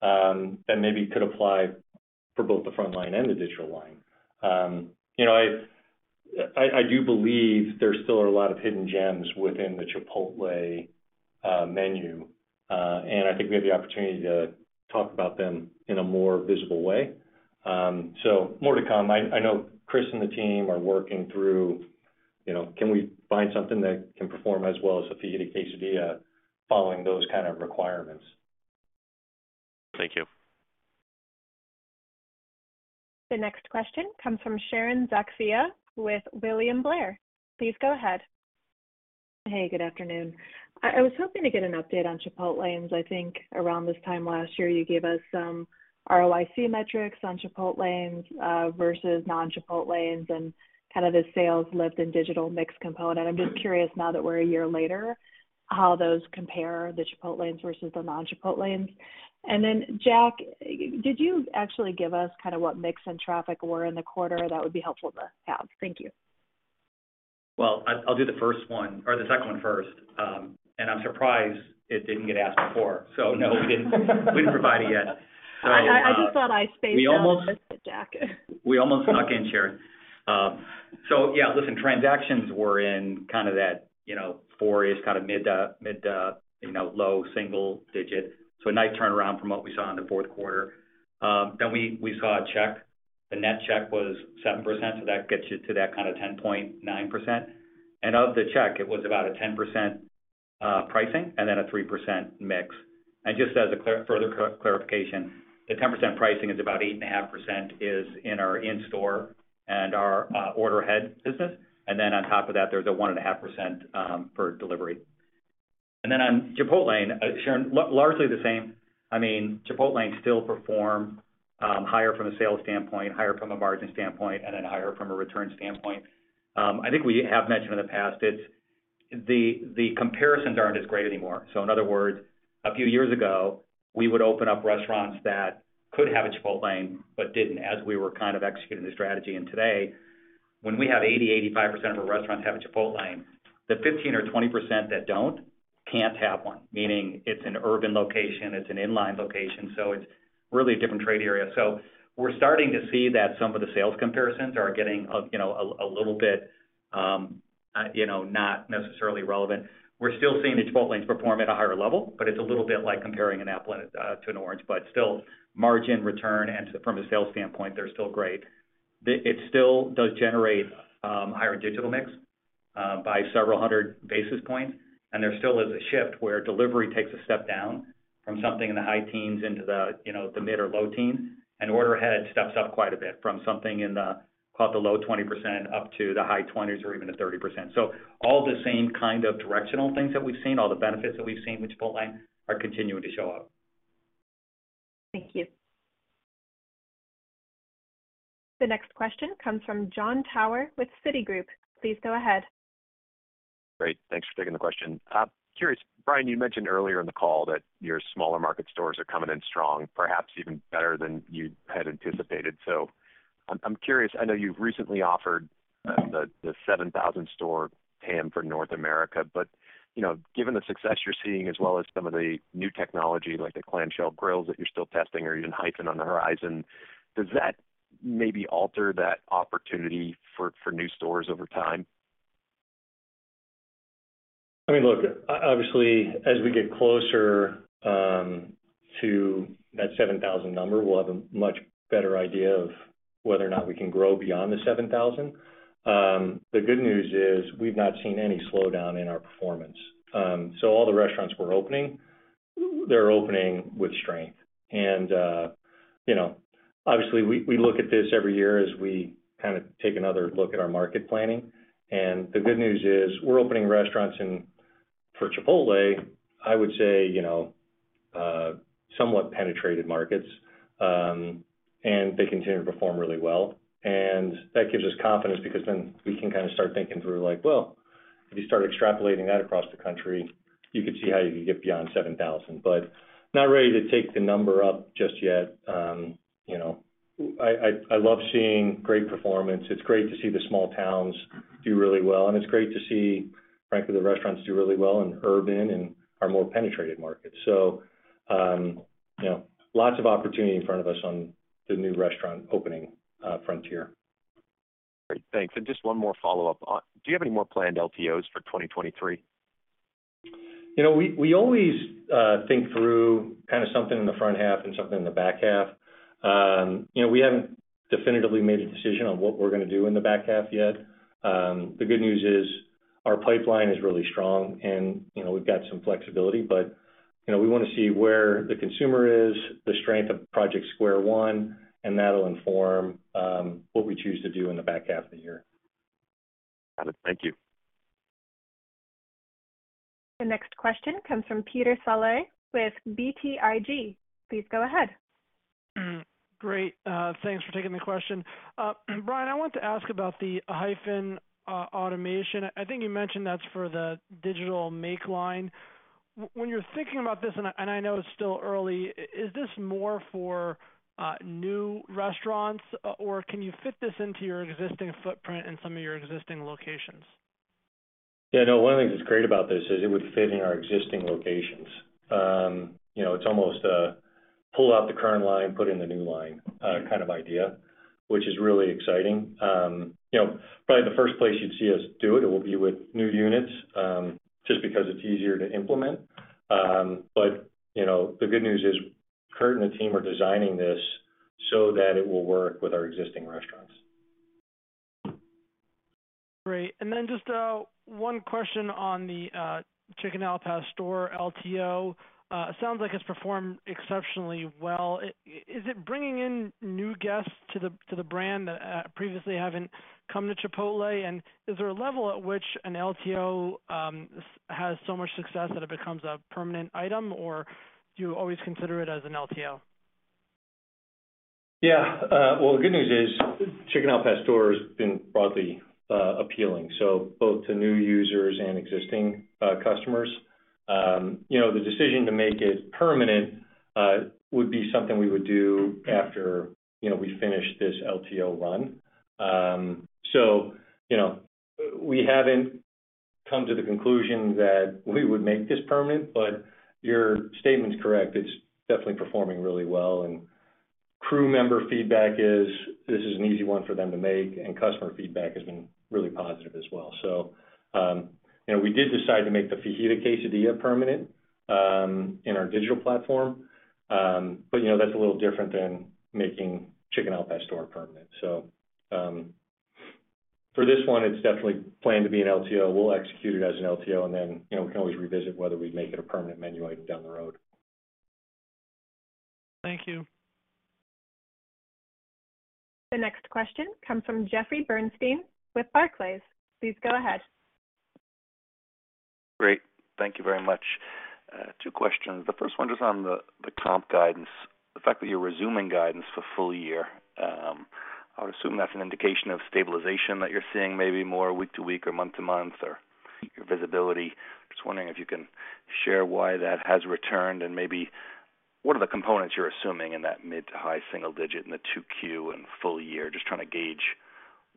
that maybe could apply for both the front line and the digital line. You know, I do believe there still are a lot of hidden gems within the Chipotle menu. I think we have the opportunity to talk about them in a more visible way. More to come. I know Chris and the team are working through, you know, can we find something that can perform as well as a Fajita Quesadilla following those kind of requirements. Thank you. The next question comes from Sharon Zackfia with William Blair. Please go ahead. Hey, good afternoon. I was hoping to get an update on Chipotlanes. I think around this time last year, you gave us some ROIC metrics on Chipotlanes versus non-Chipotlanes and kind of the sales lift and digital mix component. I'm just curious now that we're a year later, how those compare the Chipotlanes versus the non-Chipotlanes. Jack, did you actually give us kind of what mix and traffic were in the quarter? That would be helpful to have. Thank you. Well, I'll do the first one or the second one first. I'm surprised it didn't get asked before. No, we didn't provide it yet. We almost. I just thought I spaced out and missed it, Jack. We almost snuck in, Sharon. Yeah, listen, transactions were in kind of that, you know, for us kind of mid to, you know, low single digit. A nice turnaround from what we saw in the Q4. We saw a check. The net check was 7%, that gets you to that kind of 10.9%. Of the check, it was about a 10% pricing and a 3% mix. Just as a further clarification, the 10% pricing is about 8.5% is in our in-store and our order ahead business. On top of that, there's a 1.5% for delivery. On Chipotlane, Sharon, largely the same. I mean, Chipotlane still perform higher from a sales standpoint, higher from a margin standpoint, and then higher from a return standpoint. I think we have mentioned in the past, the comparisons aren't as great anymore. In other words, a few years ago, we would open up restaurants that could have a Chipotlane but didn't, as we were kind of executing the strategy. Today, when we have 80-85% of our restaurants have a Chipotlane, the 15% or 20% that don't, can't have one, meaning it's an urban location, it's an inline location, so it's really a different trade area. We're starting to see that some of the sales comparisons are getting a little bit, you know, not necessarily relevant. We're still seeing the Chipotlanes perform at a higher level, but it's a little bit like comparing an apple to an orange, but still margin return and from a sales standpoint, they're still great. It still does generate higher digital mix. By several hundred basis points. There still is a shift where delivery takes a step down from something in the high teens into the, you know, the mid or low teens. Order ahead steps up quite a bit from something about the low 20% up to the high 20s or even a 30%. All the same kind of directional things that we've seen, all the benefits that we've seen with Chipotle are continuing to show up. Thank you. The next question comes from Jon Tower with Citigroup. Please go ahead. Great. Thanks for taking the question. Curious, Brian, you mentioned earlier in the call that your smaller market stores are coming in strong, perhaps even better than you had anticipated. I'm curious. I know you've recently offered the 7,000 store TAM for North America, but, you know, given the success you're seeing as well as some of the new technology like the clamshell grills that you're still testing or even Hyphen on the horizon, does that maybe alter that opportunity for new stores over time? I mean, look, obviously, as we get closer to that 7,000 number, we'll have a much better idea of whether or not we can grow beyond the 7,000. The good news is we've not seen any slowdown in our performance. All the restaurants we're opening, they're opening with strength. You know, obviously we look at this every year as we kind of take another look at our market planning. The good news is we're opening restaurants in, for Chipotle, I would say, you know, somewhat penetrated markets, and they continue to perform really well. That gives us confidence because then we can kind of start thinking through like, well, if you start extrapolating that across the country, you could see how you could get beyond 7,000. Not ready to take the number up just yet. You know, I love seeing great performance. It's great to see the small towns do really well. It's great to see, frankly, the restaurants do really well in urban and our more penetrated markets. You know, lots of opportunity in front of us on the new restaurant opening frontier. Great. Thanks. Just one more follow-up. Do you have any more planned LTOs for 2023? You know, we always think through kind of something in the front half and something in the back half. You know, we haven't definitively made a decision on what we're gonna do in the back half yet. The good news is our pipeline is really strong and, you know, we've got some flexibility, but, you know, we wanna see where the consumer is, the strength of Project Square One, and that'll inform what we choose to do in the back half of the year. Got it. Thank you. The next question comes from Peter Saleh with BTIG. Please go ahead. Great. Thanks for taking the question. Brian, I want to ask about the Hyphen automation. I think you mentioned that's for the digital make line. When you're thinking about this, and I, and I know it's still early, is this more for new restaurants or can you fit this into your existing footprint in some of your existing locations? Yeah, no, one of the things that's great about this is it would fit in our existing locations. You know, it's almost a pull out the current line, put in the new line, kind of idea, which is really exciting. You know, probably the first place you'd see us do it will be with new units, just because it's easier to implement. You know, the good news is Curt and the team are designing this so that it will work with our existing restaurants. Great. Just one question on the Chicken al Pastor LTO. Sounds like it's performed exceptionally well. Is it bringing in new guests to the brand that, previously haven't come to Chipotle? Is there a level at which an LTO, has so much success that it becomes a permanent item, or do you always consider it as an LTO? Well, the good news is Chicken al Pastor has been broadly appealing, so both to new users and existing customers. You know, the decision to make it permanent would be something we would do after, you know, we finish this LTO run. You know, we haven't come to the conclusion that we would make this permanent, but your statement's correct. It's definitely performing really well. And crew member feedback is this is an easy one for them to make, and customer feedback has been really positive as well. You know, we did decide to make the Fajita Quesadilla permanent in our digital platform. But, you know, that's a little different than making Chicken al Pastor permanent. For this one, it's definitely planned to be an LTO. We'll execute it as an LTO, and then, you know, we can always revisit whether we make it a permanent menu item down the road. Thank you. The next question comes from Jeffrey Bernstein with Barclays. Please go ahead. Great. Thank you very much. Two questions. The first one just on the comp guidance. The fact that you're resuming guidance for full year, I would assume that's an indication of stabilization that you're seeing maybe more week-to-week or month-to-month or your visibility. Just wondering if you can share why that has returned and maybe what are the components you're assuming in that mid-to-high single digit in the 2Q and full year. Just trying to gauge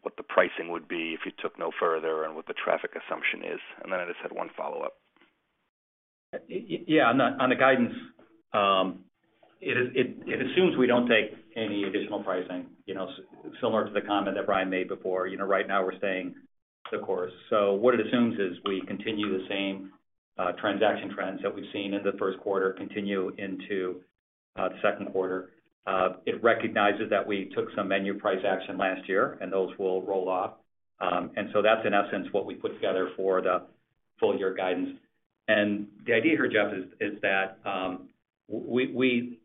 what the pricing would be if you took no further and what the traffic assumption is. I just had 1 follow-up. Yeah, on the guidance, it assumes we don't take any additional pricing. You know, similar to the comment that Brian made before. You know, right now we're staying the course. What it assumes is we continue the same transaction trends that we've seen in the Q1 continue into Q2, it recognizes that we took some menu price action last year, and those will roll off. That's in essence what we put together for the full year guidance. The idea here, Jeff, is that we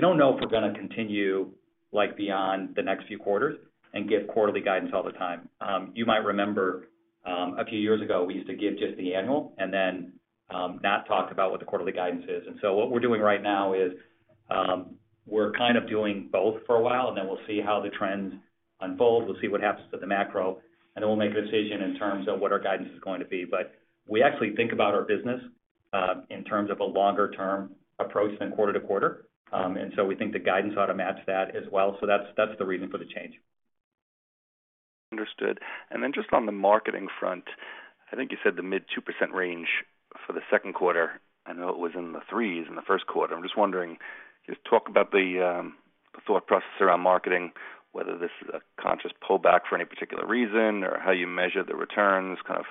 don't know if we're gonna continue like beyond the next few quarters and give quarterly guidance all the time. You might remember, a few years ago, we used to give just the annual, not talk about what the quarterly guidance is. What we're doing right now is, we're kind of doing both for a while, we'll see how the trends unfold. We'll see what happens to the macro, we'll make a decision in terms of what our guidance is going to be. We actually think about our business in terms of a longer term approach than quarter to quarter. We think the guidance ought to match that as well. That's the reason for the change. Understood. Then just on the marketing front, I think you said the mid 2% range for the Q2. I know it was in the 3s in the Q1. I'm wondering, talk about the thought process around marketing, whether this is a conscious pullback for any particular reason or how you measure the returns, kind of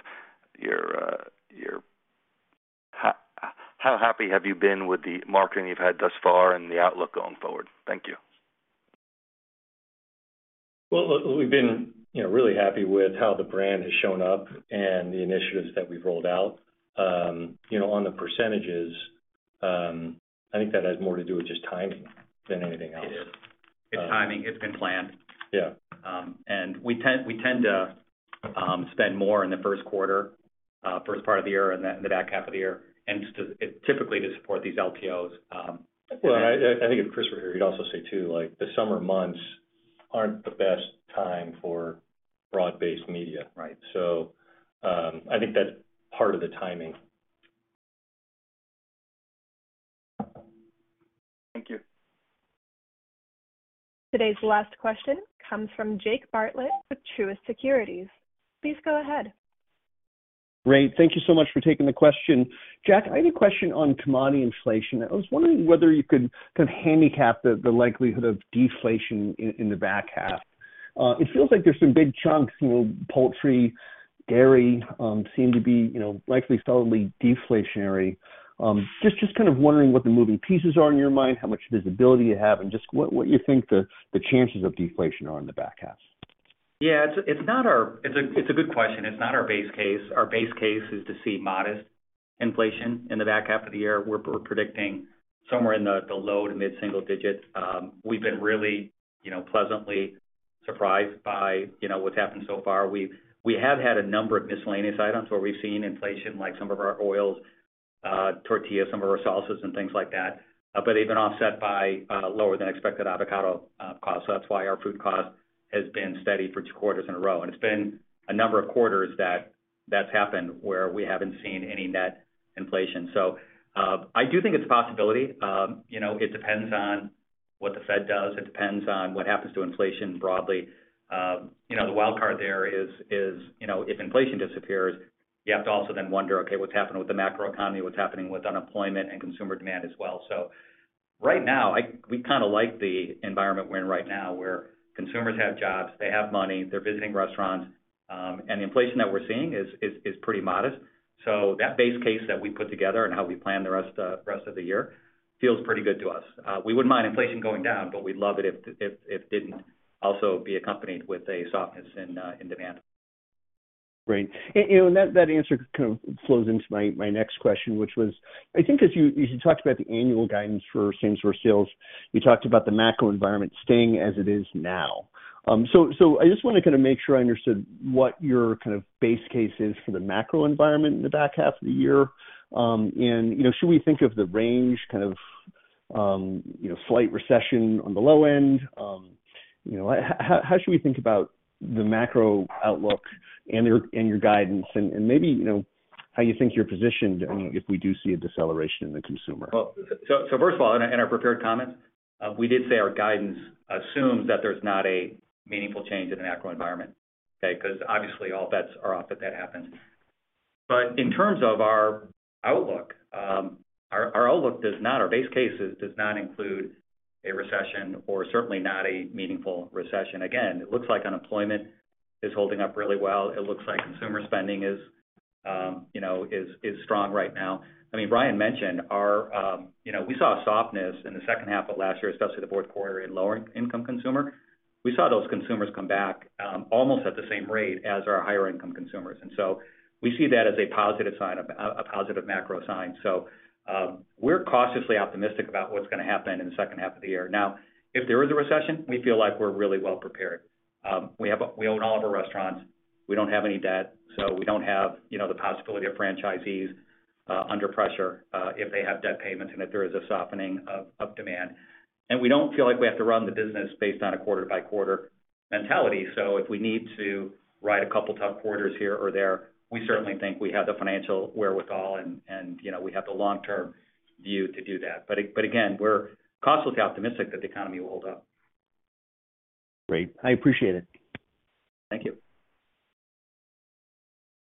your, how happy have you been with the marketing you've had thus far and the outlook going forward? Thank you. Look, we've been, you know, really happy with how the brand has shown up and the initiatives that we've rolled out. You know, on the percentages, I think that has more to do with just timing than anything else. It is. It's timing. It's been planned. Yeah. We tend to spend more in the Q1, first part of the year and then in the back half of the year. Just to typically to support these LTOs. I think if Chris were here, he'd also say too, like, the summer months aren't the best time for broad-based media. Right. I think that's part of the timing. Thank you. Today's last question comes from Jake Bartlett with Truist Securities. Please go ahead. Great. Thank you so much for taking the question. Jack, I had a question on commodity inflation. I was wondering whether you could kind of handicap the likelihood of deflation in the back half. It feels like there's some big chunks. You know, poultry, dairy, seem to be, you know, likely solidly deflationary. Just kind of wondering what the moving pieces are in your mind, how much visibility you have, and just what you think the chances of deflation are in the back half. It's a good question. It's not our base case. Our base case is to see modest inflation in the back half of the year. We're predicting somewhere in the low to mid-single digits. We've been really, you know, pleasantly surprised by, you know, what's happened so far. We have had a number of miscellaneous items where we've seen inflation, like some of our oils, tortillas, some of our salsas and things like that. But they've been offset by lower than expected avocado costs. That's why our food cost has been steady for 2 quarters in a row. It's been a number of quarters that that's happened, where we haven't seen any net inflation. I do think it's a possibility. You know, it depends on what the Fed does. It depends on what happens to inflation broadly. you know, the wild card there is, you know, if inflation disappears, you have to also then wonder, okay, what's happening with the macroeconomy? What's happening with unemployment and consumer demand as well? Right now, we kinda like the environment we're in right now, where consumers have jobs, they have money, they're visiting restaurants. and the inflation that we're seeing is pretty modest. That base case that we put together and how we plan the rest of the year feels pretty good to us. We wouldn't mind inflation going down, but we'd love it if it didn't also be accompanied with a softness in demand. Great. You know, and that answer kind of flows into my next question, which was, I think as you, as you talked about the annual guidance for same store sales, you talked about the macroenvironment staying as it is now. I just wanna kinda make sure I understood what your kind of base case is for the macroenvironment in the back half of the year. You know, should we think of the range, kind of, you know, slight recession on the low end? You know, how should we think about the macro outlook and your, and your guidance and maybe, you know, how you think you're positioned, I mean, if we do see a deceleration in the consumer? First of all, in our prepared comments, we did say our guidance assumes that there's not a meaningful change in the macroenvironment. Okay. Obviously all bets are off if that happens. In terms of our outlook, our outlook does not, our base case does not include a recession or certainly not a meaningful recession. Again, it looks like unemployment is holding up really well. It looks like consumer spending is, you know, is strong right now. I mean Brian mentioned our. You know, we saw a softness in the second half of last year, especially the Q4 in lower income consumer. We saw those consumers come back almost at the same rate as our higher income consumers. We see that as a positive sign, a positive macro sign. We're cautiously optimistic about what's gonna happen in the second half of the year. Now, if there is a recession, we feel like we're really well prepared. We own all of our restaurants. We don't have any debt, so we don't have, you know, the possibility of franchisees under pressure if they have debt payments and if there is a softening of demand. We don't feel like we have to run the business based on a quarter by quarter mentality. If we need to ride a couple tough quarters here or there, we certainly think we have the financial wherewithal and, you know, we have the long-term view to do that. Again, we're cautiously optimistic that the economy will hold up. Great. I appreciate it. Thank you.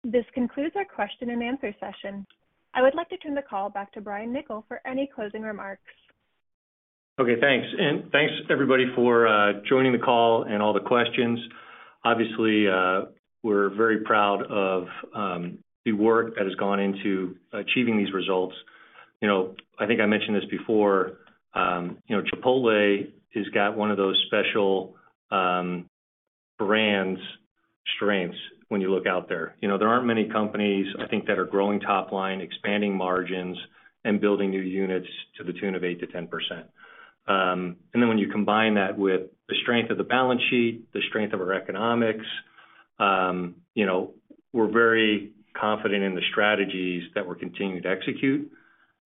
This concludes our Q&A session. I would like to turn the call back to Brian Niccol for any closing remarks. Okay, thanks. Thanks, everybody, for joining the call and all the questions. Obviously, we're very proud of the work that has gone into achieving these results. You know, I think I mentioned this before, you know, Chipotle has got one of those special brands strengths when you look out there. You know, there aren't many companies, I think, that are growing top line, expanding margins, and building new units to the tune of 8%-10%. When you combine that with the strength of the balance sheet, the strength of our economics, you know, we're very confident in the strategies that we're continuing to execute.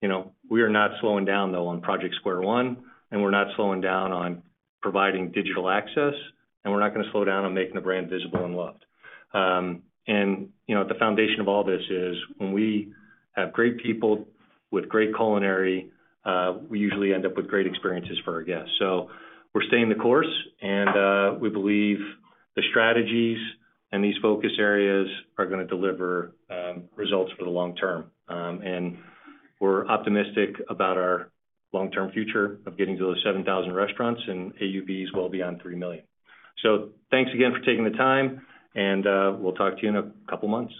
You know, we are not slowing down, though, on Project Square One, we're not slowing down on providing digital access, and we're not gonna slow down on making the brand visible and loved. You know, at the foundation of all this is when we have great people with great culinary, we usually end up with great experiences for our guests. We're staying the course, and we believe the strategies and these focus areas are gonna deliver results for the long term. We're optimistic about our long-term future of getting to those 7,000 restaurants and AUVs well beyond $3 million. Thanks again for taking the time, and we'll talk to you in a couple months,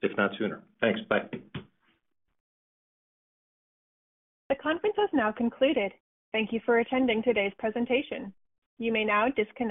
if not sooner. Thanks. Bye. The conference has now concluded. Thank you for attending today's presentation. You may now disconnect.